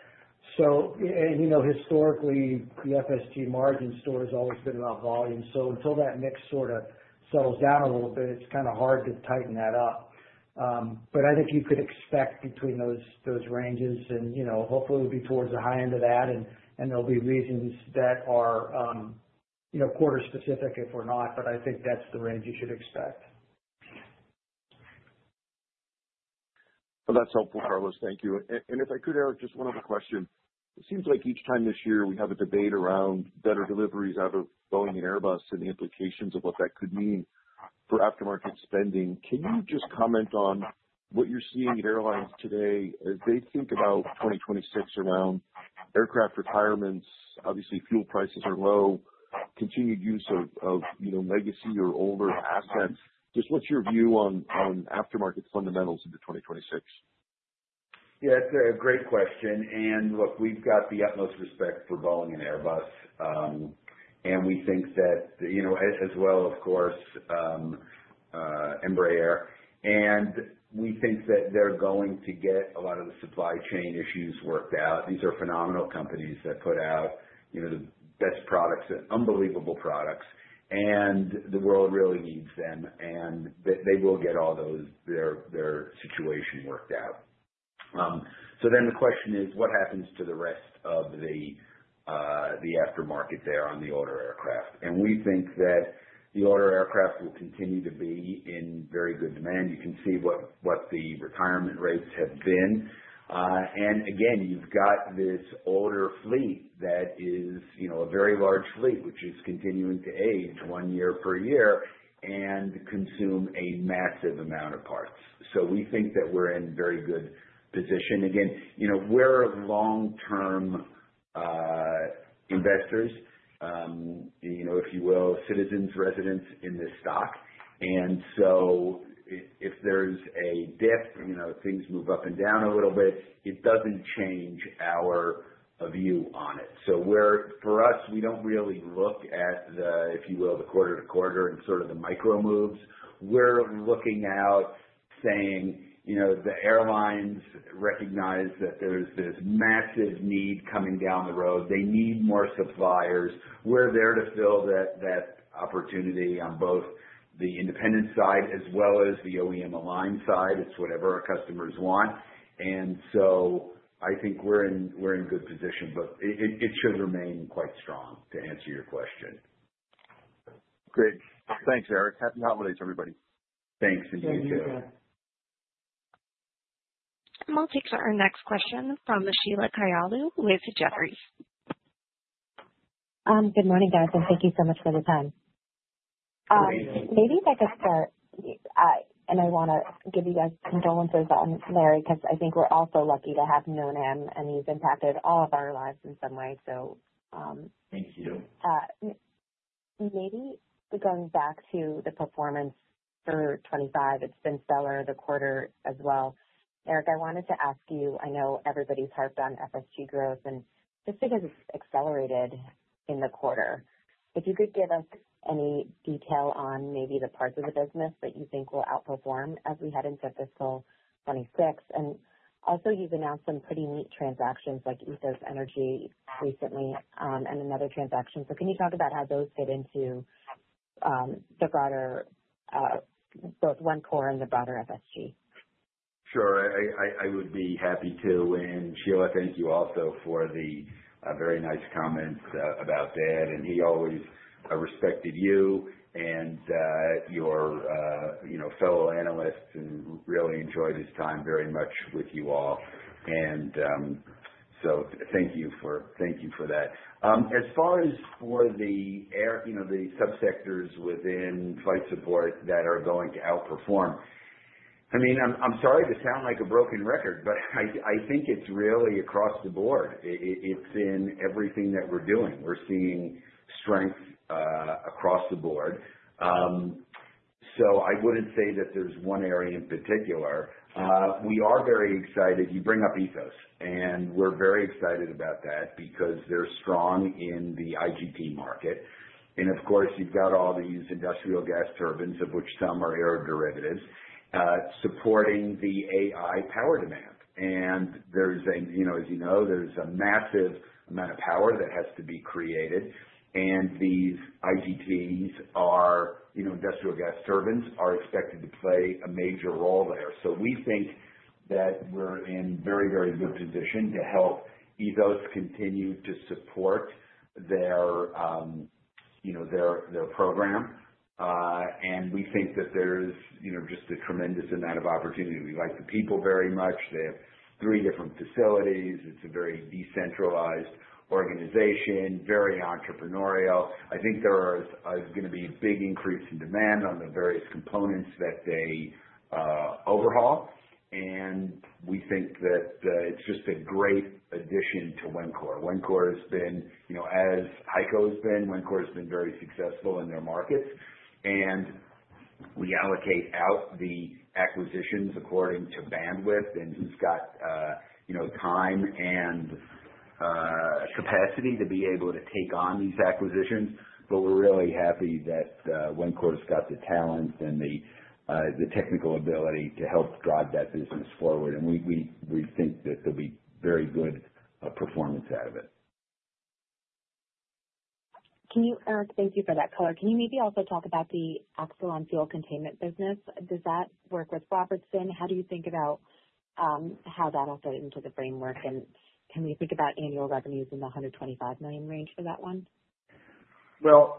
So historically, the FSG margin story has always been about volume. So until that mix sort of settles down a little bit, it's kind of hard to tighten that up. But I think you could expect between those ranges. And hopefully, it'll be towards the high end of that. And there'll be reasons that are quarter-specific if we're not. But I think that's the range you should expect. That's helpful, Carlos. Thank you. And if I could, Eric, just one other question. It seems like each time this year we have a debate around better deliveries out of Boeing and Airbus and the implications of what that could mean for aftermarket spending. Can you just comment on what you're seeing at airlines today as they think about 2026 around aircraft retirements? Obviously, fuel prices are low, continued use of legacy or older assets. Just what's your view on aftermarket fundamentals into 2026? Yeah, it's a great question. And look, we've got the utmost respect for Boeing and Airbus. And we think that as well, of course, Embraer. And we think that they're going to get a lot of the supply chain issues worked out. These are phenomenal companies that put out the best products, unbelievable products. And the world really needs them. And they will get all their situation worked out. So then the question is, what happens to the rest of the aftermarket there on the older aircraft? And we think that the older aircraft will continue to be in very good demand. You can see what the retirement rates have been. And again, you've got this older fleet that is a very large fleet, which is continuing to age one year per year and consume a massive amount of parts. So we think that we're in very good position. Again, we're long-term investors, if you will, citizens, residents in this stock. And so if there's a dip, things move up and down a little bit. It doesn't change our view on it. So for us, we don't really look at the, if you will, the quarter to quarter and sort of the micro moves. We're looking out saying the airlines recognize that there's this massive need coming down the road. They need more suppliers. We're there to fill that opportunity on both the independent side as well as the OEM-aligned side. It's whatever our customers want. And so I think we're in good position, but it should remain quite strong to answer your question. Great. Thanks, Eric. Happy holidays, everybody. Thanks. And you too. Thank you. And we'll take our next question from Sheila Kahyaoglu with Jefferies. Good morning, guys. Thank you so much for the time. Good evening. Maybe if I could start, and I want to give you guys condolences on Larry, because I think we're also lucky to have known him, and he's impacted all of our lives in some way, so. Thank you. Maybe going back to the performance for 2025, it's been stellar the quarter as well. Eric, I wanted to ask you. I know everybody's harped on FSG growth, and just because it's accelerated in the quarter, if you could give us any detail on maybe the parts of the business that you think will outperform as we head into fiscal 2026. And also, you've announced some pretty neat transactions like Ethos Energy recently and another transaction. So can you talk about how those fit into the broader both Wencor and the broader FSG? Sure. I would be happy to. And Sheila, thank you also for the very nice comments about Dad. And he always respected you and your fellow analysts and really enjoyed his time very much with you all. And so thank you for that. As far as for the subsectors within Flight Support that are going to outperform, I mean, I'm sorry to sound like a broken record, but I think it's really across the board. It's in everything that we're doing. We're seeing strength across the board. So I wouldn't say that there's one area in particular. We are very excited. You bring up Ethos, and we're very excited about that because they're strong in the IGT market. And of course, you've got all these industrial gas turbines, of which some are air derivatives, supporting the AI power demand. And as you know, there's a massive amount of power that has to be created. And these IGTs, industrial gas turbines, are expected to play a major role there. So we think that we're in very, very good position to help Ethos continue to support their program. And we think that there's just a tremendous amount of opportunity. We like the people very much. They have three different facilities. It's a very decentralized organization, very entrepreneurial. I think there is going to be a big increase in demand on the various components that they overhaul. And we think that it's just a great addition to Wencor. Wencor has been, as HEICO has been, Wencor has been very successful in their markets. And we allocate out the acquisitions according to bandwidth, and who's got time and capacity to be able to take on these acquisitions. But we're really happy that Wencor has got the talent and the technical ability to help drive that business forward. And we think that there'll be very good performance out of it. Thank you for that, Carl. Can you maybe also talk about the Axelon fuel containment business? Does that work with Robertson? How do you think about how that'll fit into the framework? And can we think about annual revenues in the $125 million range for that one? Well,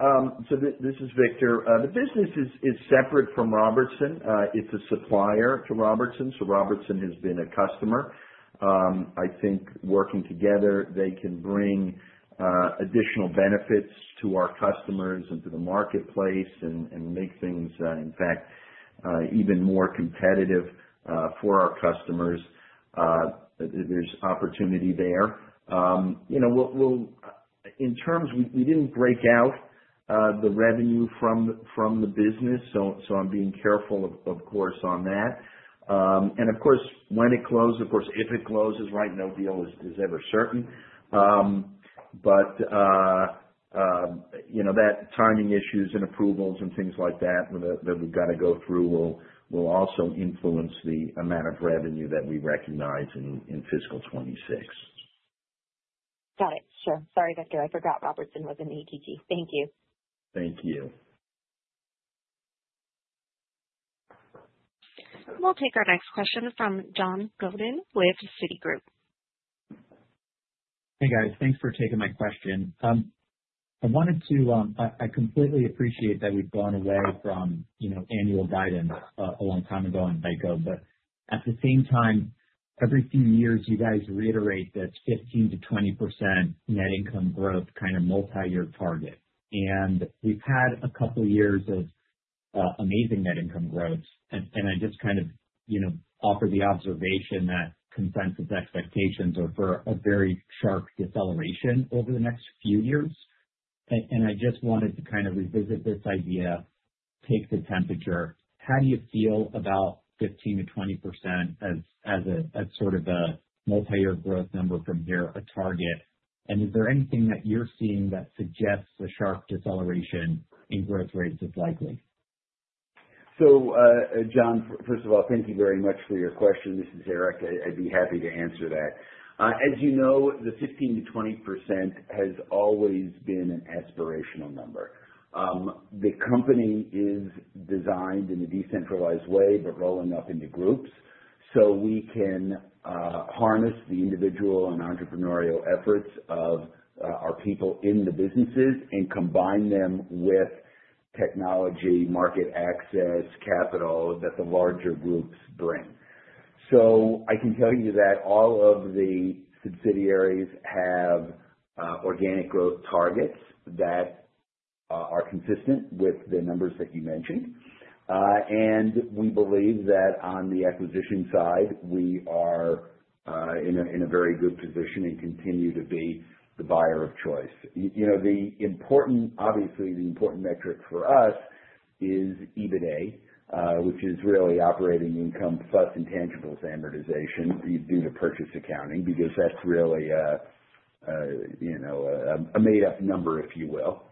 so this is Victor. The business is separate from Robertson. It's a supplier to Robertson. So Robertson has been a customer. I think working together, they can bring additional benefits to our customers and to the marketplace and make things, in fact, even more competitive for our customers. There's opportunity there. In terms, we didn't break out the revenue from the business. So I'm being careful, of course, on that, and of course, when it closes, of course, if it closes, right, no deal is ever certain. But that timing issues and approvals and things like that that we've got to go through will also influence the amount of revenue that we recognize in fiscal 2026. Got it. Sure. Sorry, Victor. I forgot Robertson was an ETG. Thank you. Thank you. We'll take our next question from John Goode with Citigroup. Hey, guys. Thanks for taking my question. I wanted to, I completely appreciate that we've gone away from annual guidance a long time ago in HEICO. But at the same time, every few years, you guys reiterate that 15%-20% net income growth kind of multi-year target. And we've had a couple of years of amazing net income growth. And I just kind of offer the observation that consensus expectations are for a very sharp deceleration over the next few years. And I just wanted to kind of revisit this idea, take the temperature. How do you feel about 15%-20% as sort of a multi-year growth number from here, a target? And is there anything that you're seeing that suggests a sharp deceleration in growth rates is likely? So John, first of all, thank you very much for your question. This is Eric. I'd be happy to answer that. As you know, the 15%-20% has always been an aspirational number. The company is designed in a decentralized way, but rolling up into groups. So we can harness the individual and entrepreneurial efforts of our people in the businesses and combine them with technology, market access, capital that the larger groups bring. So I can tell you that all of the subsidiaries have organic growth targets that are consistent with the numbers that you mentioned. And we believe that on the acquisition side, we are in a very good position and continue to be the buyer of choice. Obviously, the important metric for us is EBITDA, which is really operating income plus intangible amortization due to purchase accounting because that's really a made-up number, if you will.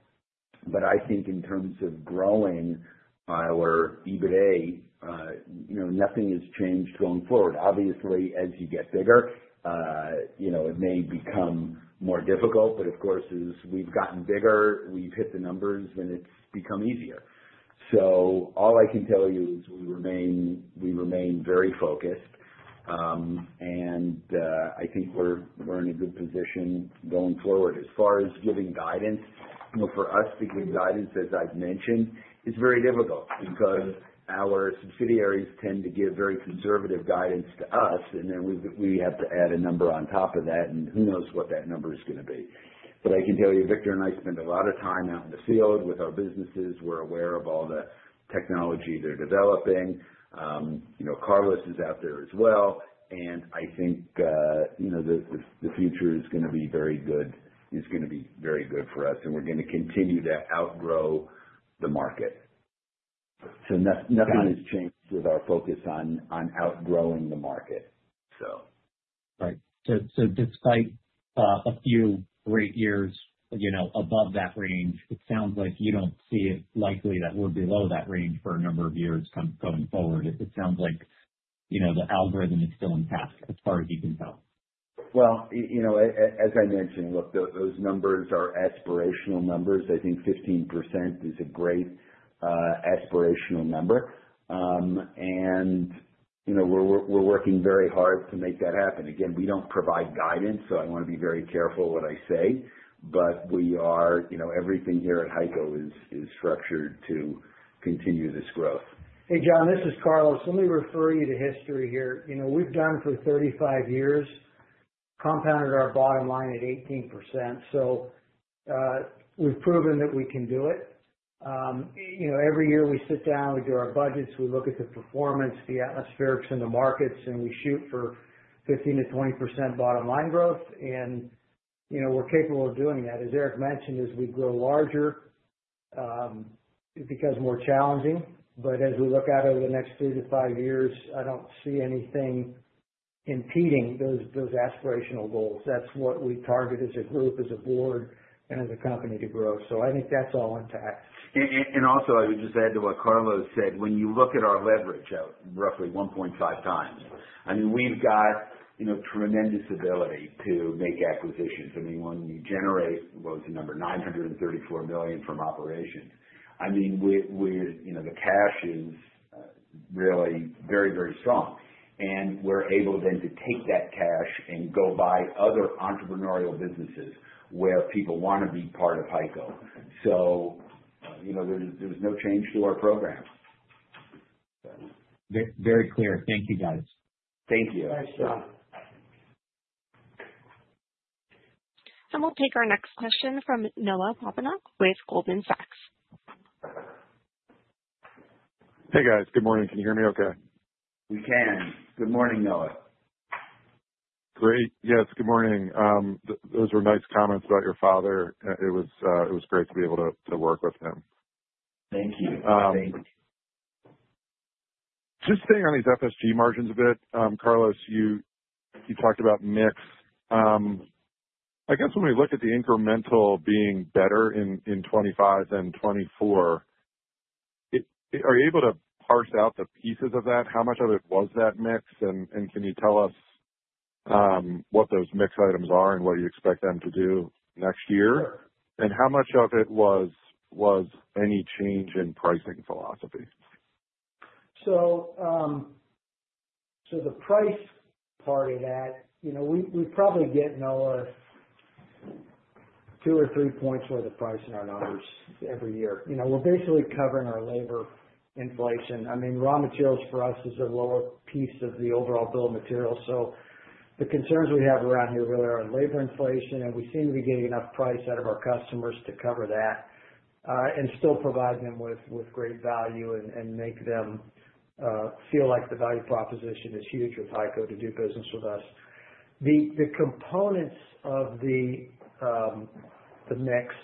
But I think in terms of growing our EBITDA, nothing has changed going forward. Obviously, as you get bigger, it may become more difficult. But of course, as we've gotten bigger, we've hit the numbers, and it's become easier. So all I can tell you is we remain very focused. And I think we're in a good position going forward. As far as giving guidance, for us to give guidance, as I've mentioned, it's very difficult because our subsidiaries tend to give very conservative guidance to us. And then we have to add a number on top of that, and who knows what that number is going to be. But I can tell you, Victor and I spend a lot of time out in the field with our businesses. We're aware of all the technology they're developing. Carlos is out there as well. And I think the future is going to be very good. It's going to be very good for us. And we're going to continue to outgrow the market. So nothing has changed with our focus on outgrowing the market, so. Right. So despite a few great years above that range, it sounds like you don't see it likely that we're below that range for a number of years going forward. It sounds like the algorithm is still intact as far as you can tell. As I mentioned, look, those numbers are aspirational numbers. I think 15% is a great aspirational number, and we're working very hard to make that happen. Again, we don't provide guidance, so I want to be very careful what I say, but everything here at HEICO is structured to continue this growth. Hey, John, this is Carlos. Let me refer you to history here. We've done for 35 years, compounded our bottom line at 18%. So we've proven that we can do it. Every year, we sit down, we do our budgets, we look at the performance, the atmospherics in the markets, and we shoot for 15%-20% bottom line growth. And we're capable of doing that. As Eric mentioned, as we grow larger, it becomes more challenging. But as we look out over the next three to five years, I don't see anything impeding those aspirational goals. That's what we target as a group, as a board, and as a company to grow. So I think that's all intact. And also, I would just add to what Carlos said. When you look at our leverage out roughly 1.5 times, I mean, we've got tremendous ability to make acquisitions. I mean, when we generate, what was the number, $934 million from operations. I mean, the cash is really very, very strong. And we're able then to take that cash and go buy other entrepreneurial businesses where people want to be part of HEICO. So there's no change to our program. Very clear. Thank you, guys. Thank you. Thanks, John. We'll take our next question from Noah Poponak with Goldman Sachs. Hey, guys. Good morning. Can you hear me okay? We can. Good morning, Noah. Great. Yes, good morning. Those were nice comments about your father. It was great to be able to work with him. Thank you. Thank you. Just staying on these FSG margins a bit, Carlos, you talked about mix. I guess when we look at the incremental being better in 2025 than 2024, are you able to parse out the pieces of that? How much of it was that mix? And can you tell us what those mix items are and what you expect them to do next year? And how much of it was any change in pricing philosophy? So the price part of that, we probably get one or two or three points worth of price in our numbers every year. We're basically covering our labor inflation. I mean, raw materials for us is a lower piece of the overall bill of materials. So the concerns we have around here really are labor inflation, and we seem to be getting enough price out of our customers to cover that and still provide them with great value and make them feel like the value proposition is huge with HEICO to do business with us. The components of the mix,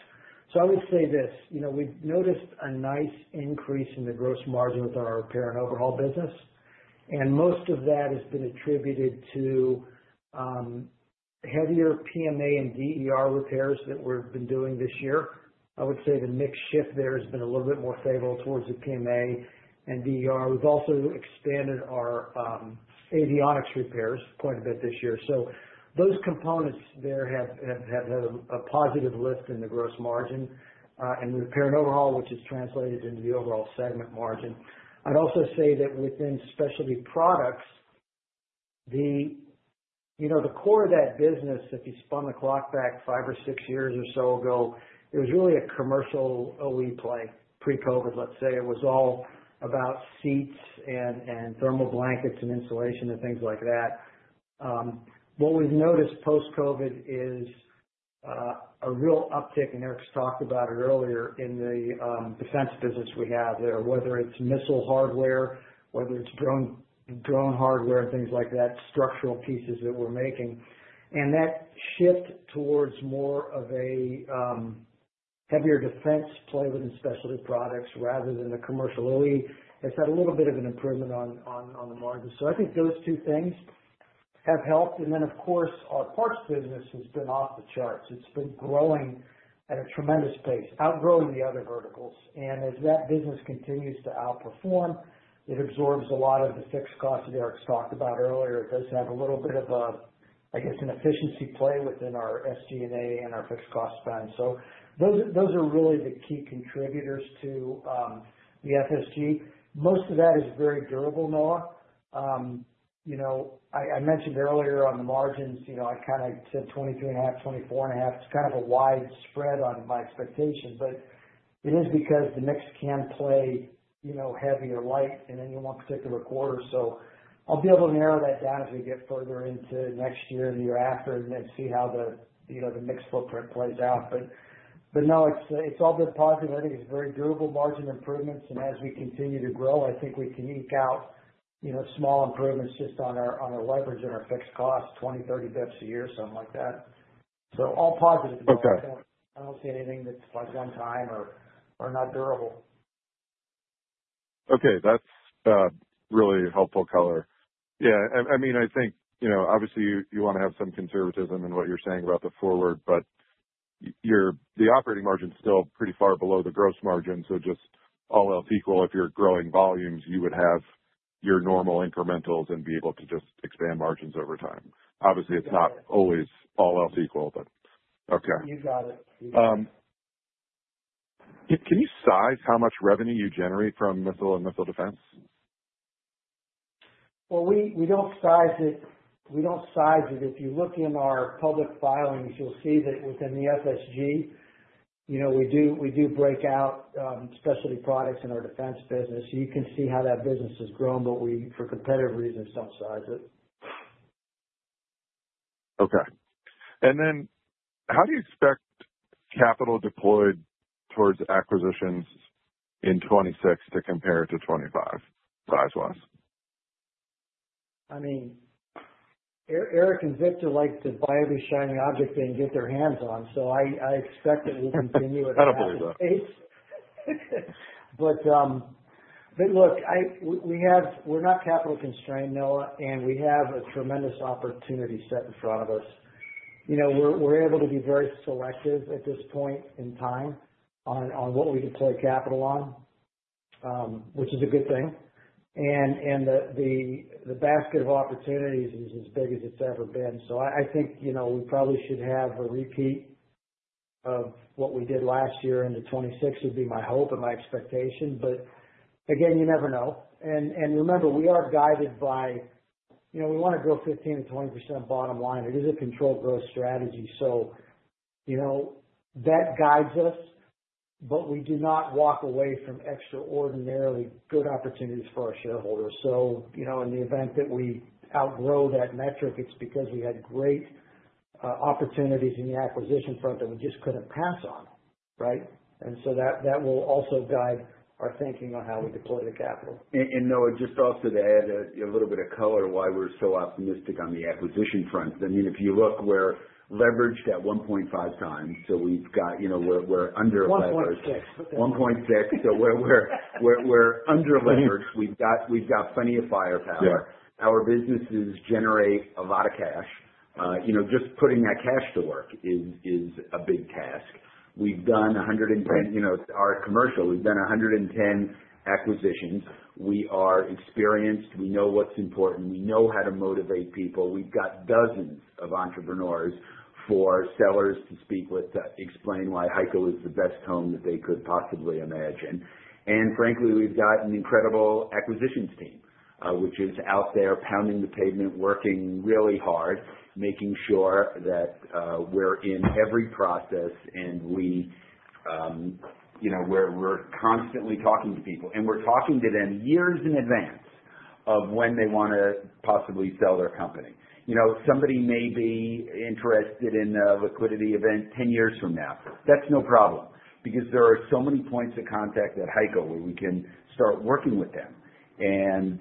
so I would say this. We've noticed a nice increase in the gross margin with our Repair and Overhaul business. And most of that has been attributed to heavier PMA and DER repairs that we've been doing this year. I would say the mix shift there has been a little bit more favorable towards the PMA and DER. We've also expanded our avionics repairs quite a bit this year. So those components there have had a positive lift in the gross margin and the Repair and Overhaul, which has translated into the overall segment margin. I'd also say that within specialty products, the core of that business, if you spun the clock back five or six years or so ago, it was really a Commercial OE Play. Pre-COVID, let's say, it was all about seats and thermal blankets and insulation and things like that. What we've noticed post-COVID is a real uptick, and Eric's talked about it earlier, in the defense business we have there, whether it's missile hardware, whether it's drone hardware, and things like that, structural pieces that we're making. That shift towards more of a heavier defense play within specialty products rather than the commercial OE has had a little bit of an improvement on the margin. So I think those two things have helped. And then, of course, our parts business has been off the charts. It's been growing at a tremendous pace, outgrowing the other verticals. And as that business continues to outperform, it absorbs a lot of the fixed costs that Eric's talked about earlier. It does have a little bit of a, I guess, an efficiency play within our SG&A and our fixed cost spend. So those are really the key contributors to the FSG. Most of that is very durable, Noah. I mentioned earlier on the margins, I kind of said 23.5, 24.5. It's kind of a wide spread on my expectation, but it is because the mix can play heavy or light in any one particular quarter, so I'll be able to narrow that down as we get further into next year and the year after and then see how the mixed footprint plays out, but no, it's all been positive. I think it's very durable margin improvements, and as we continue to grow, I think we can eke out small improvements just on our leverage and our fixed costs, 20-30 basis points a year, something like that, so all positive. I don't see anything that's like one-time or not durable. Okay. That's really helpful color. Yeah. I mean, I think obviously you want to have some conservatism in what you're saying about the forward, but the operating margin is still pretty far below the gross margin. So just all else equal, if you're growing volumes, you would have your normal incrementals and be able to just expand margins over time. Obviously, it's not always all else equal, but okay. You got it. Can you size how much revenue you generate from missile and missile defense? Well, we don't size it. We don't size it. If you look in our public filings, you'll see that within the FSG, we do break out specialty products in our defense business. You can see how that business has grown, but we, for competitive reasons, don't size it. Okay. And then how do you expect capital deployed towards acquisitions in 2026 to compare to 2025 size-wise? I mean, Eric and Victor like to buy every shiny object they can get their hands on. So I expect that we'll continue at a higher pace. I don't believe that. But look, we're not capital constrained, Noah, and we have a tremendous opportunity set in front of us. We're able to be very selective at this point in time on what we deploy capital on, which is a good thing. And the basket of opportunities is as big as it's ever been. So I think we probably should have a repeat of what we did last year into 2026 would be my hope and my expectation. But again, you never know. And remember, we are guided by we want to grow 15%-20% bottom line. It is a controlled growth strategy. So that guides us, but we do not walk away from extraordinarily good opportunities for our shareholders. So in the event that we outgrow that metric, it's because we had great opportunities in the acquisition front that we just couldn't pass on, right? And so that will also guide our thinking on how we deploy the capital. Noah, just also to add a little bit of color why we're so optimistic on the acquisition front. I mean, if you look where we're leveraged at 1.5 times, so we've got. We're under leveraged. 1.6. We're under leveraged. We've got plenty of firepower. Our businesses generate a lot of cash. Just putting that cash to work is a big task. We've done 110 in our commercial. We've done 110 acquisitions. We are experienced. We know what's important. We know how to motivate people. We've got dozens of entrepreneurs for sellers to speak with that explain why HEICO is the best home that they could possibly imagine. And frankly, we've got an incredible acquisitions team, which is out there pounding the pavement, working really hard, making sure that we're in every process and we're constantly talking to people. And we're talking to them years in advance of when they want to possibly sell their company. Somebody may be interested in a liquidity event 10 years from now. That's no problem because there are so many points of contact at HEICO where we can start working with them and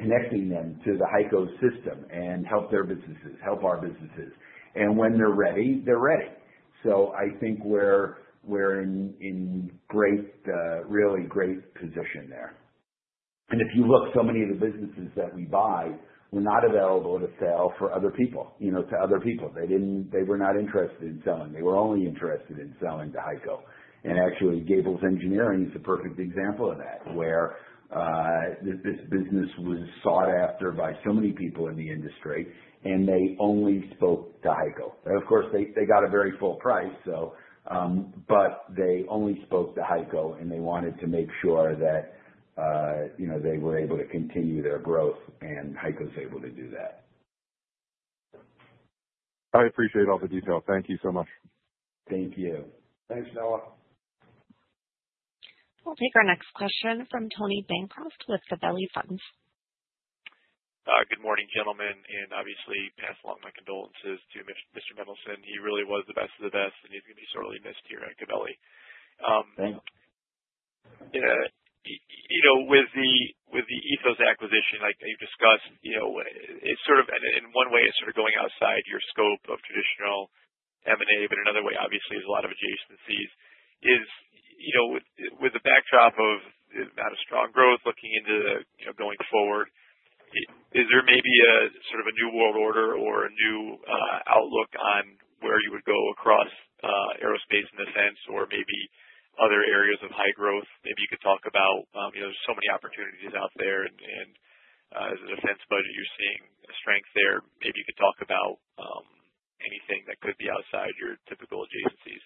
connecting them to the HEICO system and help their businesses, help our businesses. And when they're ready, they're ready. So I think we're in really great position there. And if you look, so many of the businesses that we buy, we're not available to sell for other people, to other people. They were not interested in selling. They were only interested in selling to HEICO. And actually, Gables Engineering is a perfect example of that, where this business was sought after by so many people in the industry, and they only spoke to HEICO. And of course, they got a very full price, but they only spoke to HEICO, and they wanted to make sure that they were able to continue their growth, and HEICO was able to do that. I appreciate all the detail. Thank you so much. Thank you. Thanks, Noah. We'll take our next question from Tony Bancroft with Gabelli Funds. Good morning, gentlemen. Obviously, pass along my condolences to Mr. Mendelson. He really was the best of the best, and he's going to be sorely missed here at Gabelli. Thanks. With the Ethos acquisition, like you've discussed, it's sort of in one way, it's sort of going outside your scope of traditional M&A, but another way, obviously, there's a lot of adjacencies. With the backdrop of not a strong growth looking into going forward, is there maybe sort of a new world order or a new outlook on where you would go across aerospace in the sense or maybe other areas of high growth? Maybe you could talk about there's so many opportunities out there, and as a defense budget, you're seeing strength there. Maybe you could talk about anything that could be outside your typical adjacencies.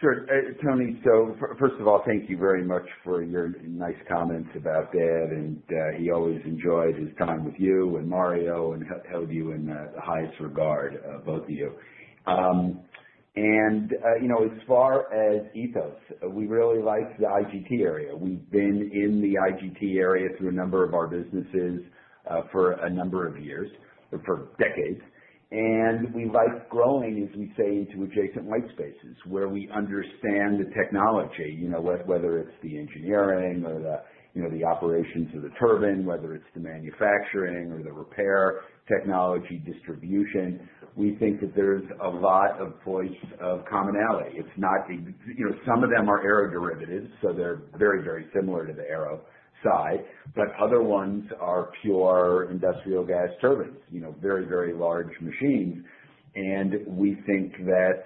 Sure. Tony, so first of all, thank you very much for your nice comments about that. And he always enjoyed his time with you and Mario and held you in the highest regard, both of you. And as far as Ethos, we really like the IGT area. We've been in the IGT area through a number of our businesses for a number of years, for decades. And we like growing, as we say, into adjacent white spaces where we understand the technology, whether it's the engineering or the operations of the turbine, whether it's the manufacturing or the repair technology distribution. We think that there's a lot of points of commonality. It's not some of them are aeroderivatives, so they're very, very similar to the aero side, but other ones are pure industrial gas turbines, very, very large machines. And we think that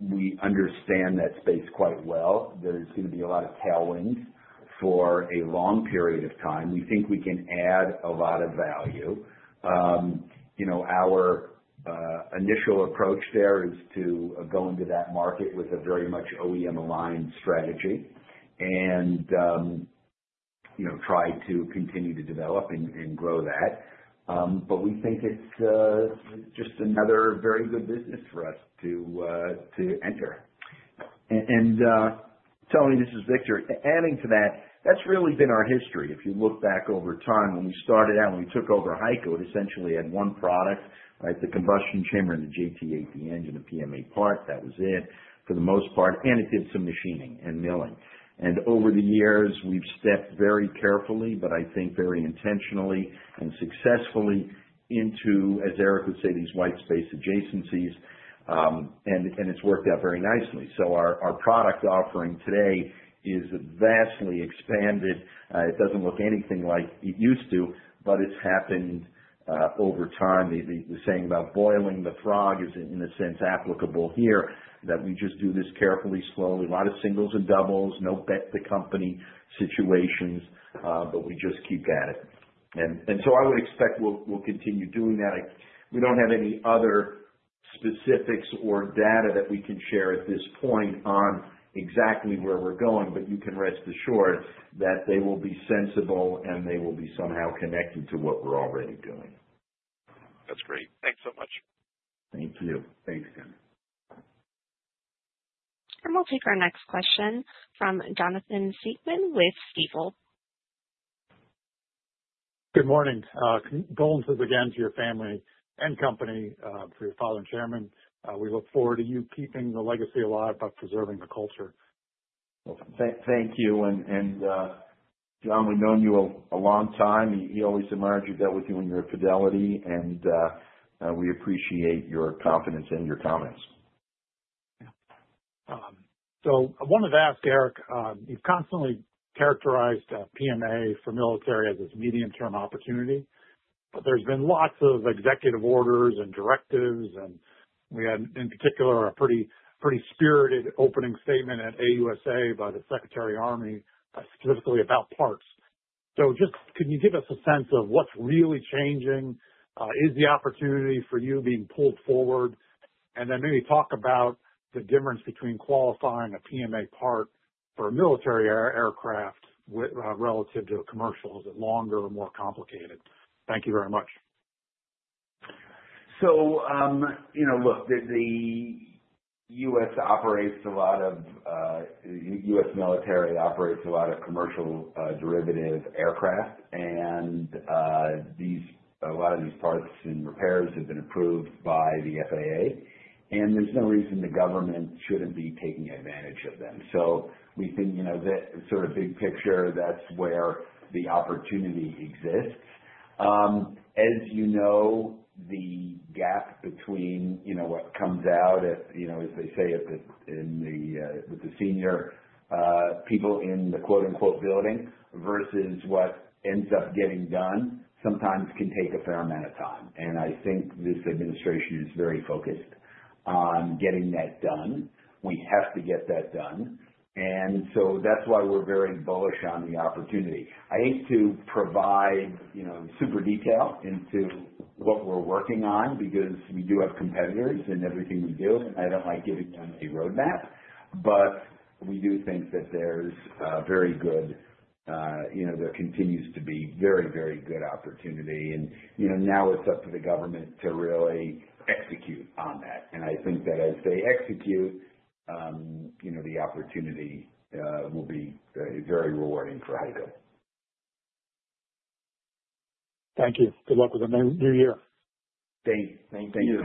we understand that space quite well. There's going to be a lot of tailwinds for a long period of time. We think we can add a lot of value. Our initial approach there is to go into that market with a very much OEM-aligned strategy and try to continue to develop and grow that. But we think it's just another very good business for us to enter. And Tony, this is Victor. Adding to that, that's really been our history. If you look back over time, when we started out, when we took over HEICO, it essentially had one product, right? The combustion chamber and the JT8D engine, the PMA part. That was it for the most part. And it did some machining and milling. And over the years, we've stepped very carefully, but I think very intentionally and successfully into, as Eric would say, these white space adjacencies. And it's worked out very nicely. So our product offering today is vastly expanded. It doesn't look anything like it used to, but it's happened over time. The saying about boiling the frog is, in a sense, applicable here, that we just do this carefully, slowly, a lot of singles and doubles, no bet the company situations, but we just keep at it. And so I would expect we'll continue doing that. We don't have any other specifics or data that we can share at this point on exactly where we're going, but you can rest assured that they will be sensible and they will be somehow connected to what we're already doing. That's great. Thanks so much. Thank you. Thanks, Ken. We'll take our next question from Jonathan Siegmann with Stifel. Good morning. Our condolences again to your family and company for your father and chairman. We look forward to you keeping the legacy alive by preserving the culture. Thank you. And John, we've known you a long time. He always admired you. Dealt with you and your fidelity, and we appreciate your confidence and your comments. I wanted to ask Eric. You've constantly characterized PMA for military as this medium-term opportunity, but there's been lots of executive orders and directives. We had, in particular, a pretty spirited opening statement at AUSA by the Secretary of the Army, specifically about parts. Just can you give us a sense of what's really changing? Is the opportunity for you being pulled forward? Then maybe talk about the difference between qualifying a PMA part for a military aircraft relative to a commercial. Is it longer or more complicated? Thank you very much. So look, the U.S. military operates a lot of commercial derivative aircraft. A lot of these parts and repairs have been approved by the FAA. There's no reason the government shouldn't be taking advantage of them. We think that sort of big picture, that's where the opportunity exists. As you know, the gap between what comes out, as they say, with the senior people in the "building" versus what ends up getting done sometimes can take a fair amount of time. This administration is very focused on getting that done. We have to get that done. That's why we're very bullish on the opportunity. I hate to provide super detail into what we're working on because we do have competitors in everything we do. And I don't like giving them a roadmap, but we do think that there continues to be very, very good opportunity. And now it's up to the government to really execute on that. And I think that as they execute, the opportunity will be very rewarding for HEICO. Thank you. Good luck with the new year. Thanks. Thank you.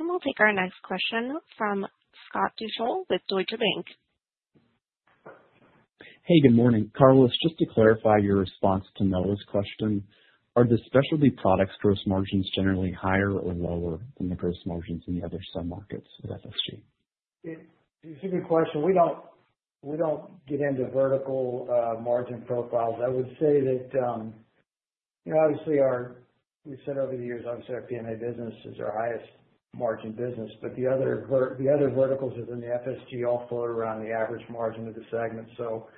We'll take our next question from Scott Deuschle with Deutsche Bank. Hey, good morning. Carlos, just to clarify your response to Noah's question, are the specialty products gross margins generally higher or lower than the gross margins in the other sub-markets with FSG? It's a good question. We don't get into vertical margin profiles. I would say that, obviously, we've said over the years, obviously, our PMA business is our highest margin business, but the other verticals within the FSG all float around the average margin of the segment. So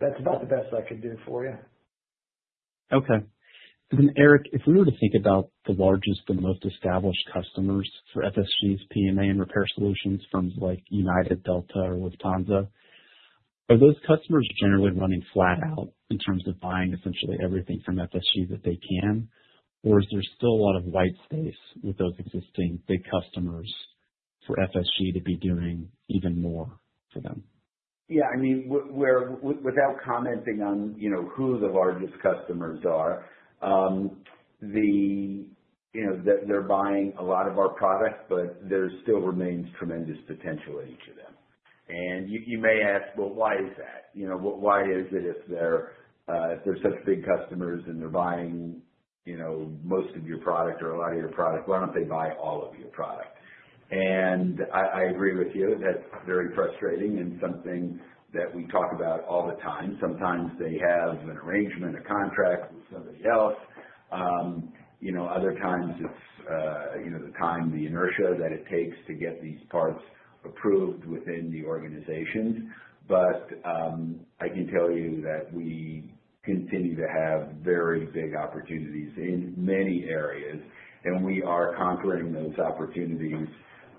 that's about the best I could do for you. Okay. And then Eric, if we were to think about the largest and most established customers for FSG's PMA and repair solutions, firms like United, Delta, or Lufthansa, are those customers generally running flat out in terms of buying essentially everything from FSG that they can? Or is there still a lot of white space with those existing big customers for FSG to be doing even more for them? Yeah. I mean, without commenting on who the largest customers are, they're buying a lot of our product, but there still remains tremendous potential in each of them. And you may ask, well, why is that? Why is it if they're such big customers and they're buying most of your product or a lot of your product, why don't they buy all of your product? And I agree with you. That's very frustrating and something that we talk about all the time. Sometimes they have an arrangement, a contract with somebody else. Other times, it's the time, the inertia that it takes to get these parts approved within the organizations. But I can tell you that we continue to have very big opportunities in many areas, and we are conquering those opportunities quarter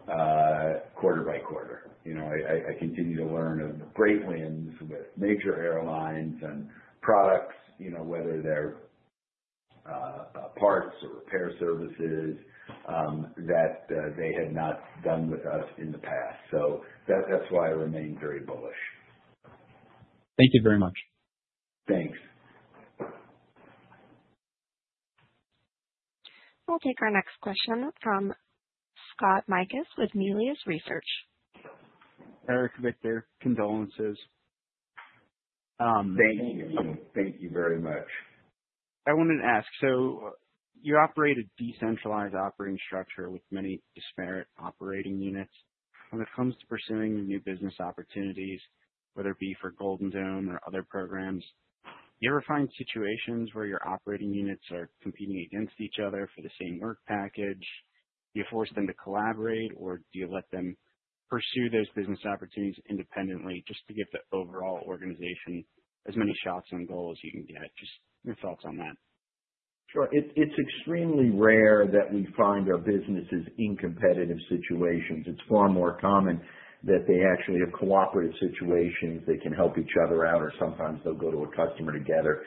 by quarter. I continue to learn of great wins with major airlines and products, whether they're parts or repair services, that they had not done with us in the past. So that's why I remain very bullish. Thank you very much. Thanks. We'll take our next question from Scott Mikus with Melius Research. Eric, Victor, condolences. Thank you. Thank you very much. I wanted to ask, so you operate a decentralized operating structure with many disparate operating units. When it comes to pursuing new business opportunities, whether it be for Golden Dome or other programs, do you ever find situations where your operating units are competing against each other for the same work package? Do you force them to collaborate, or do you let them pursue those business opportunities independently just to give the overall organization as many shots on goal as you can get? Just your thoughts on that. Sure. It's extremely rare that we find our businesses in competitive situations. It's far more common that they actually have cooperative situations. They can help each other out, or sometimes they'll go to a customer together,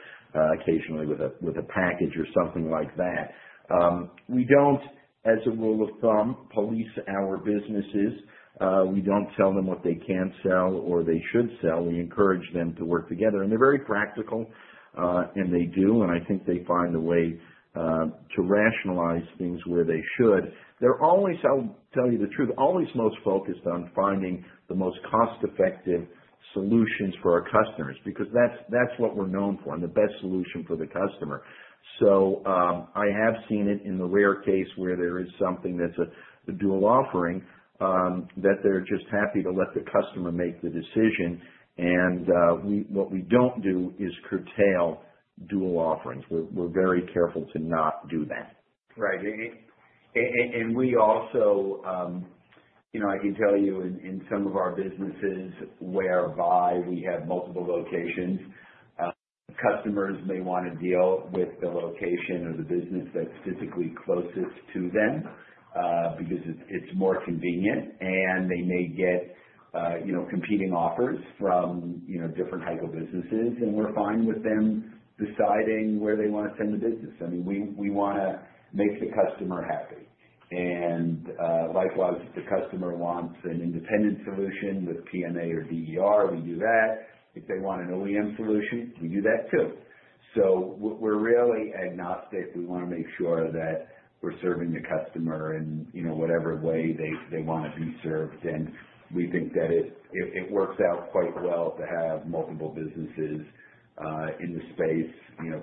occasionally with a package or something like that. We don't, as a rule of thumb, police our businesses. We don't tell them what they can sell or they should sell. We encourage them to work together. And they're very practical, and they do. And I think they find a way to rationalize things where they should. They're always, I'll tell you the truth, always most focused on finding the most cost-effective solutions for our customers because that's what we're known for and the best solution for the customer. So I have seen it in the rare case where there is something that's a dual offering that they're just happy to let the customer make the decision. And what we don't do is curtail dual offerings. We're very careful to not do that. Right. And we also, I can tell you, in some of our businesses whereby we have multiple locations, customers may want to deal with the location of the business that's physically closest to them because it's more convenient. And they may get competing offers from different HEICO businesses, and we're fine with them deciding where they want to send the business. I mean, we want to make the customer happy. And likewise, if the customer wants an independent solution with PMA or DER, we do that. If they want an OEM solution, we do that too. So we're really agnostic. We want to make sure that we're serving the customer in whatever way they want to be served. And we think that it works out quite well to have multiple businesses in the space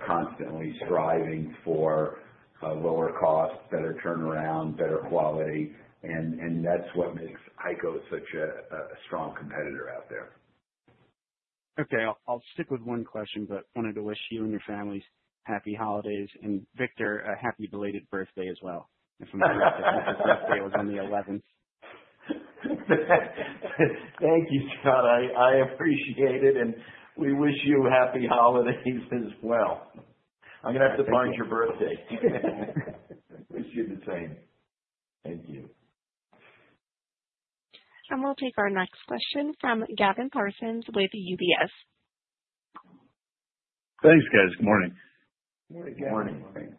constantly striving for lower costs, better turnaround, better quality. And that's what makes HEICO such a strong competitor out there. Okay. I'll stick with one question, but wanted to wish you and your families happy holidays. And Victor, happy belated birthday as well. If I'm correct, his birthday was on the 11th. Thank you, John. I appreciate it. And we wish you happy holidays as well. I'm going to have to find your birthday. Wish you the same. Thank you. And we'll take our next question from Gavin Parsons with UBS. Thanks, guys. Good morning. Good morning, Gavin. Good morning. Hey.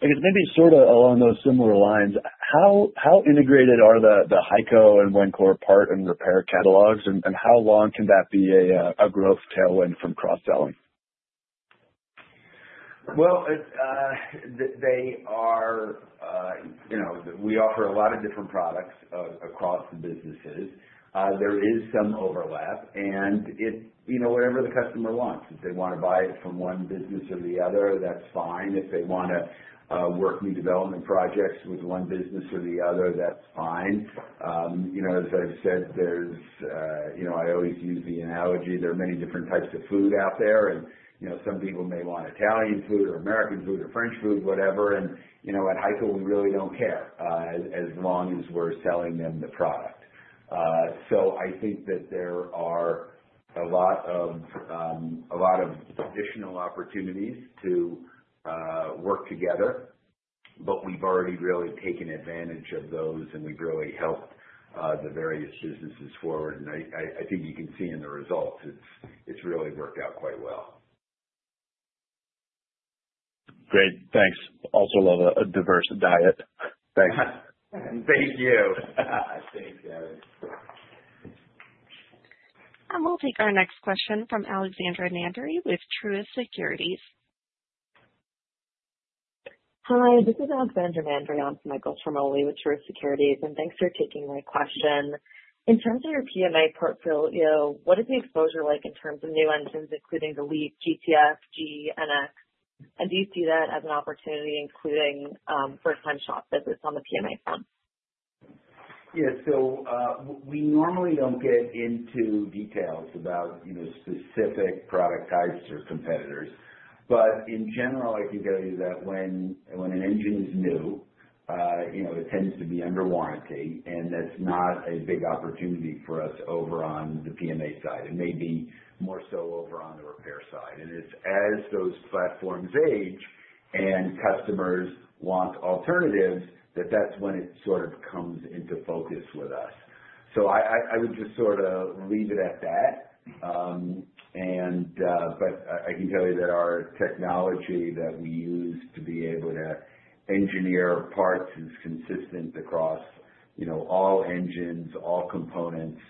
I guess maybe sort of along those similar lines, how integrated are the HEICO and Wencor part and repair catalogs? And how long can that be a growth tailwind from cross-selling? There we offer a lot of different products across the businesses. There is some overlap, and it's whatever the customer wants. If they want to buy it from one business or the other, that's fine. If they want to work new development projects with one business or the other, that's fine. As I've said, I always use the analogy. There are many different types of food out there, and some people may want Italian food or American food or French food, whatever, and at HEICO, we really don't care as long as we're selling them the product, so I think that there are a lot of additional opportunities to work together, but we've already really taken advantage of those, and we've really helped the various businesses forward, and I think you can see in the results, it's really worked out quite well. Great. Thanks. Also love a diverse diet. Thanks. Thank you. Thanks, guys. We'll take our next question from Alexandra Mandery with Truist Securities. Hi. This is Alexandra Mandery and I'm Michael Ciarmoli with Truist Securities. And thanks for taking my question. In terms of your PMA portfolio, what is the exposure like in terms of new entrants, including the LEAP, GTF, GE9X? And do you see that as an opportunity, including first-time shop visits on the PMA front? Yeah. So we normally don't get into details about specific product types or competitors. But in general, I can tell you that when an engine is new, it tends to be under warranty. And that's not a big opportunity for us over on the PMA side. It may be more so over on the repair side. And it's as those platforms age and customers want alternatives, that's when it sort of comes into focus with us. So I would just sort of leave it at that. But I can tell you that our technology that we use to be able to engineer parts is consistent across all engines, all components.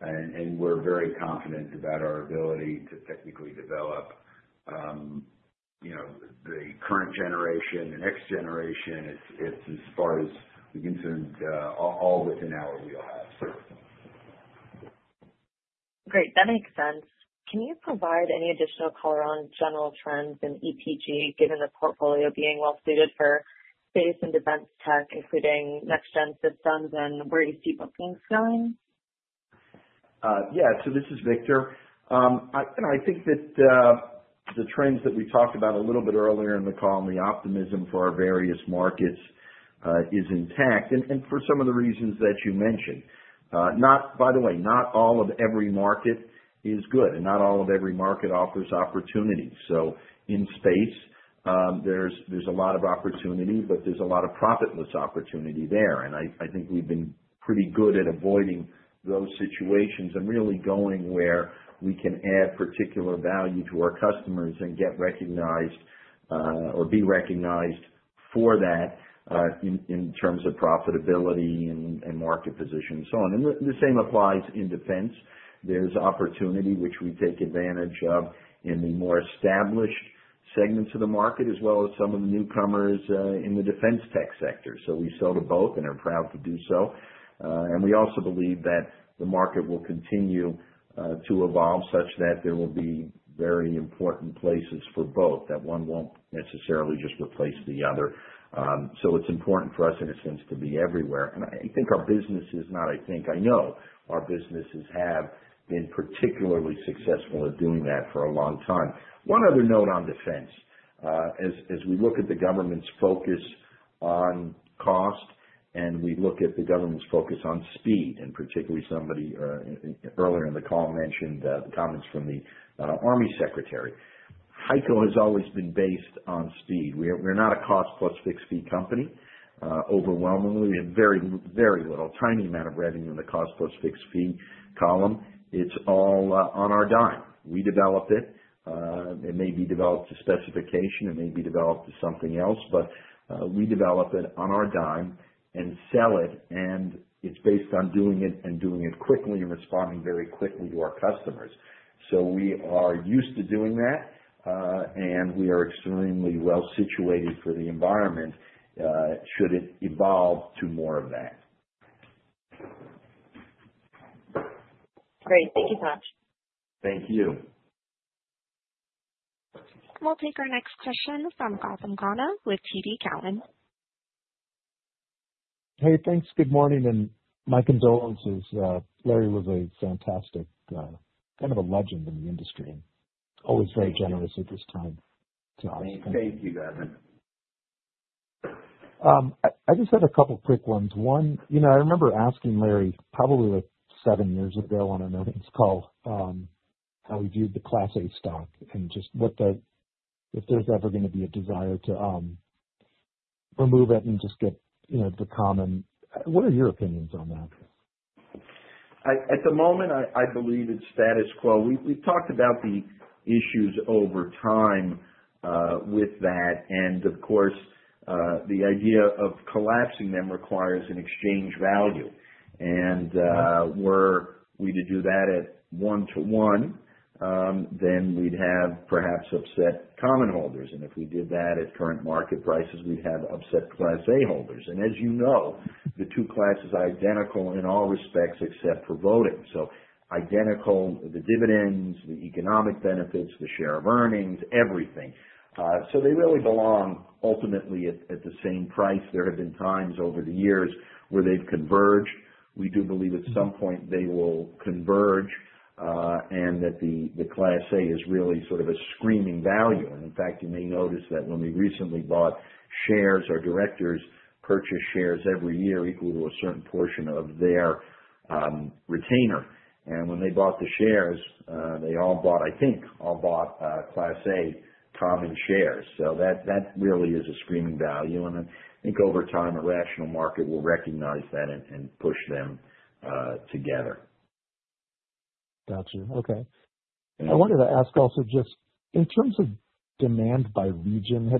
And we're very confident about our ability to technically develop the current generation and next generation. It's as far as we're concerned, all within our wheelhouse. Great. That makes sense. Can you provide any additional color on general trends in EPG, given the portfolio being well-suited for space and defense tech, including next-gen systems and where you see bookings going? Yeah. So this is Victor. I think that the trends that we talked about a little bit earlier in the call and the optimism for our various markets is intact and for some of the reasons that you mentioned. By the way, not all of every market is good, and not all of every market offers opportunities. So in space, there's a lot of opportunity, but there's a lot of profitless opportunity there. And I think we've been pretty good at avoiding those situations and really going where we can add particular value to our customers and get recognized or be recognized for that in terms of profitability and market position and so on. And the same applies in defense. There's opportunity, which we take advantage of in the more established segments of the market, as well as some of the newcomers in the defense tech sector. So we sell to both and are proud to do so. And we also believe that the market will continue to evolve such that there will be very important places for both, that one won't necessarily just replace the other. So it's important for us, in a sense, to be everywhere. And I know our businesses have been particularly successful at doing that for a long time. One other note on defense. As we look at the government's focus on cost and we look at the government's focus on speed, and particularly somebody earlier in the call mentioned the comments from the army secretary. HEICO has always been based on speed. We're not a cost-plus-fixed-fee company. Overwhelmingly, we have very little, a tiny amount of revenue in the cost-plus-fixed-fee column. It's all on our dime. We develop it. It may be developed to specification. It may be developed to something else, but we develop it on our dime and sell it. And it's based on doing it and doing it quickly and responding very quickly to our customers. So we are used to doing that, and we are extremely well-situated for the environment should it evolve to more of that. Great. Thank you so much. Thank you. And we'll take our next question from Gautam Khanna with TD Cowen. Hey, thanks. Good morning. And my condolences. Larry was a fantastic kind of a legend in the industry and always very generous at this time to us. Thank you, Gavin. I just had a couple of quick ones. One, I remember asking Larry probably like seven years ago on an earnings call how we viewed the Class A stock and just if there's ever going to be a desire to remove it and just get the common. What are your opinions on that? At the moment, I believe it's status quo. We've talked about the issues over time with that, and of course, the idea of collapsing them requires an exchange value, and were we to do that at one-to-one, then we'd have perhaps upset common holders, and if we did that at current market prices, we'd have upset Class A holders, and as you know, the two classes are identical in all respects except for voting, so identical, the dividends, the economic benefits, the share of earnings, everything, so they really belong ultimately at the same price. There have been times over the years where they've converged. We do believe at some point they will converge and that the Class A is really sort of a screaming value. In fact, you may notice that when we recently bought shares, our directors purchase shares every year equal to a certain portion of their retainer. When they bought the shares, they all bought, I think, Class A common shares. That really is a screaming value. I think over time, a rational market will recognize that and push them together. Gotcha. Okay. I wanted to ask also just in terms of demand by region,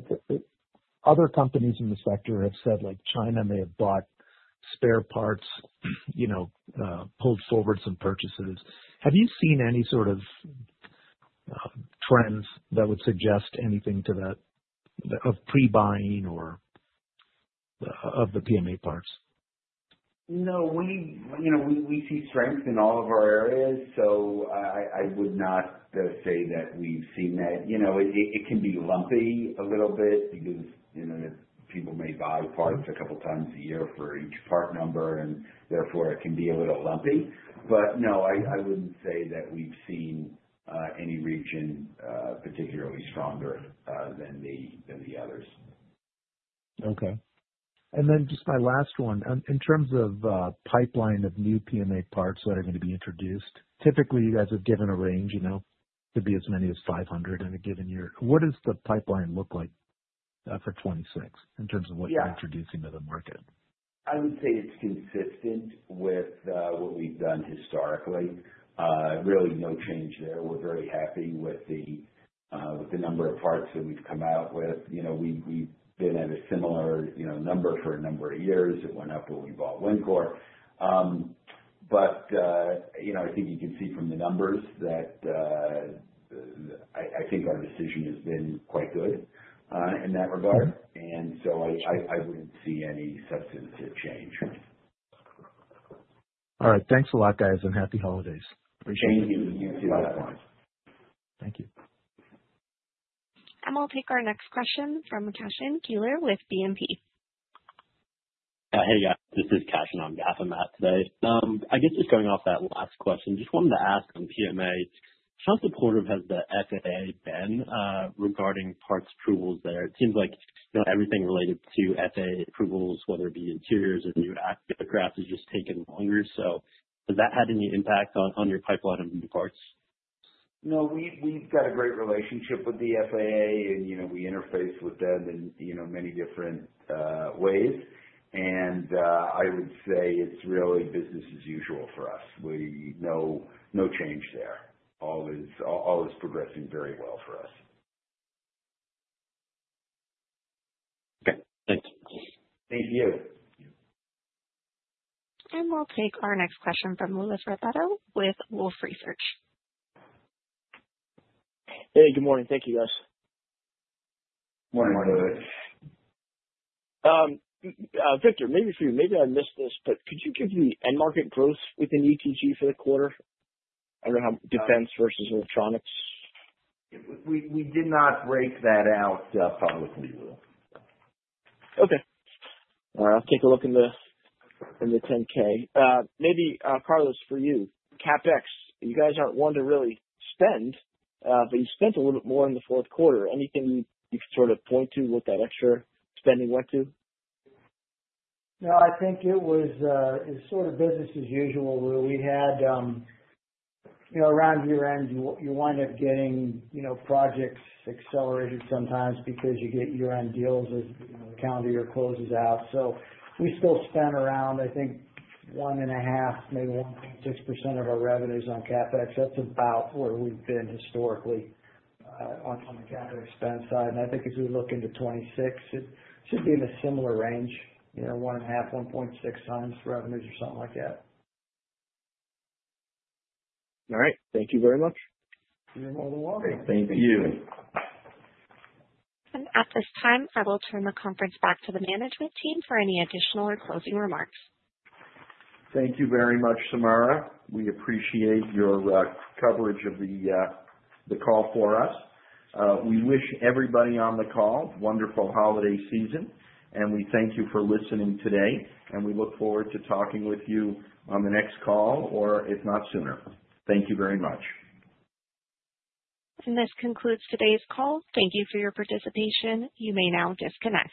other companies in the sector have said China may have bought spare parts, pulled forward some purchases. Have you seen any sort of trends that would suggest anything to that of pre-buying or of the PMA parts? No. We see strength in all of our areas. So I would not say that we've seen that. It can be lumpy a little bit because people may buy parts a couple of times a year for each part number, and therefore it can be a little lumpy. But no, I wouldn't say that we've seen any region particularly stronger than the others. Okay, and then just my last one. In terms of pipeline of new PMA parts that are going to be introduced, typically you guys have given a range. It could be as many as 500 in a given year. What does the pipeline look like for 2026 in terms of what you're introducing to the market? I would say it's consistent with what we've done historically. Really no change there. We're very happy with the number of parts that we've come out with. We've been at a similar number for a number of years. It went up when we bought Wencor. But I think you can see from the numbers that I think our decision has been quite good in that regard. And so I wouldn't see any substantive change. All right. Thanks a lot, guys, and happy holidays. Thank you. You too. Thank you. We'll take our next question from Carson Cielewich with BNP. Hey, guys. This is Carson. I'm filling in for Matt today. I guess just going off that last question, just wanted to ask on PMA, how supportive has the FAA been regarding parts approvals there? It seems like everything related to FAA approvals, whether it be interiors or new aircraft, has just taken longer. So has that had any impact on your pipeline of new parts? No. We've got a great relationship with the FAA, and we interface with them in many different ways. And I would say it's really business as usual for us. No change there. All is progressing very well for us. Okay. Thanks. Thank you. And we'll take our next question from Louis Raffetto with Wolfe Research. Hey, good morning. Thank you, guys. Morning. Morning. Victor, maybe for you, maybe I missed this, but could you give the end market growth within EPG for the quarter? I don't know how defense versus electronics. We did not break that out. Probably we will. Okay. All right. I'll take a look in the 10-K. Maybe Carlos, for you, CapEx, you guys aren't one to really spend, but you spent a little bit more in the fourth quarter. Anything you can sort of point to what that extra spending went to? No. I think it was sort of business as usual where we had around year-end, you wind up getting projects accelerated sometimes because you get year-end deals as the calendar year closes out. So we still spend around, I think, 1.5%, maybe 1.6% of our revenues on CapEx. That's about where we've been historically on the CapEx spend side, and I think as we look into 2026, it should be in a similar range, 1.5-1.6 times revenues or something like that. All right. Thank you very much. You're more than welcome. Thank you. At this time, I will turn the conference back to the management team for any additional or closing remarks. Thank you very much, Samara. We appreciate your coverage of the call for us. We wish everybody on the call a wonderful holiday season, and we thank you for listening today. We look forward to talking with you on the next call or if not sooner. Thank you very much. This concludes today's call. Thank you for your participation. You may now disconnect.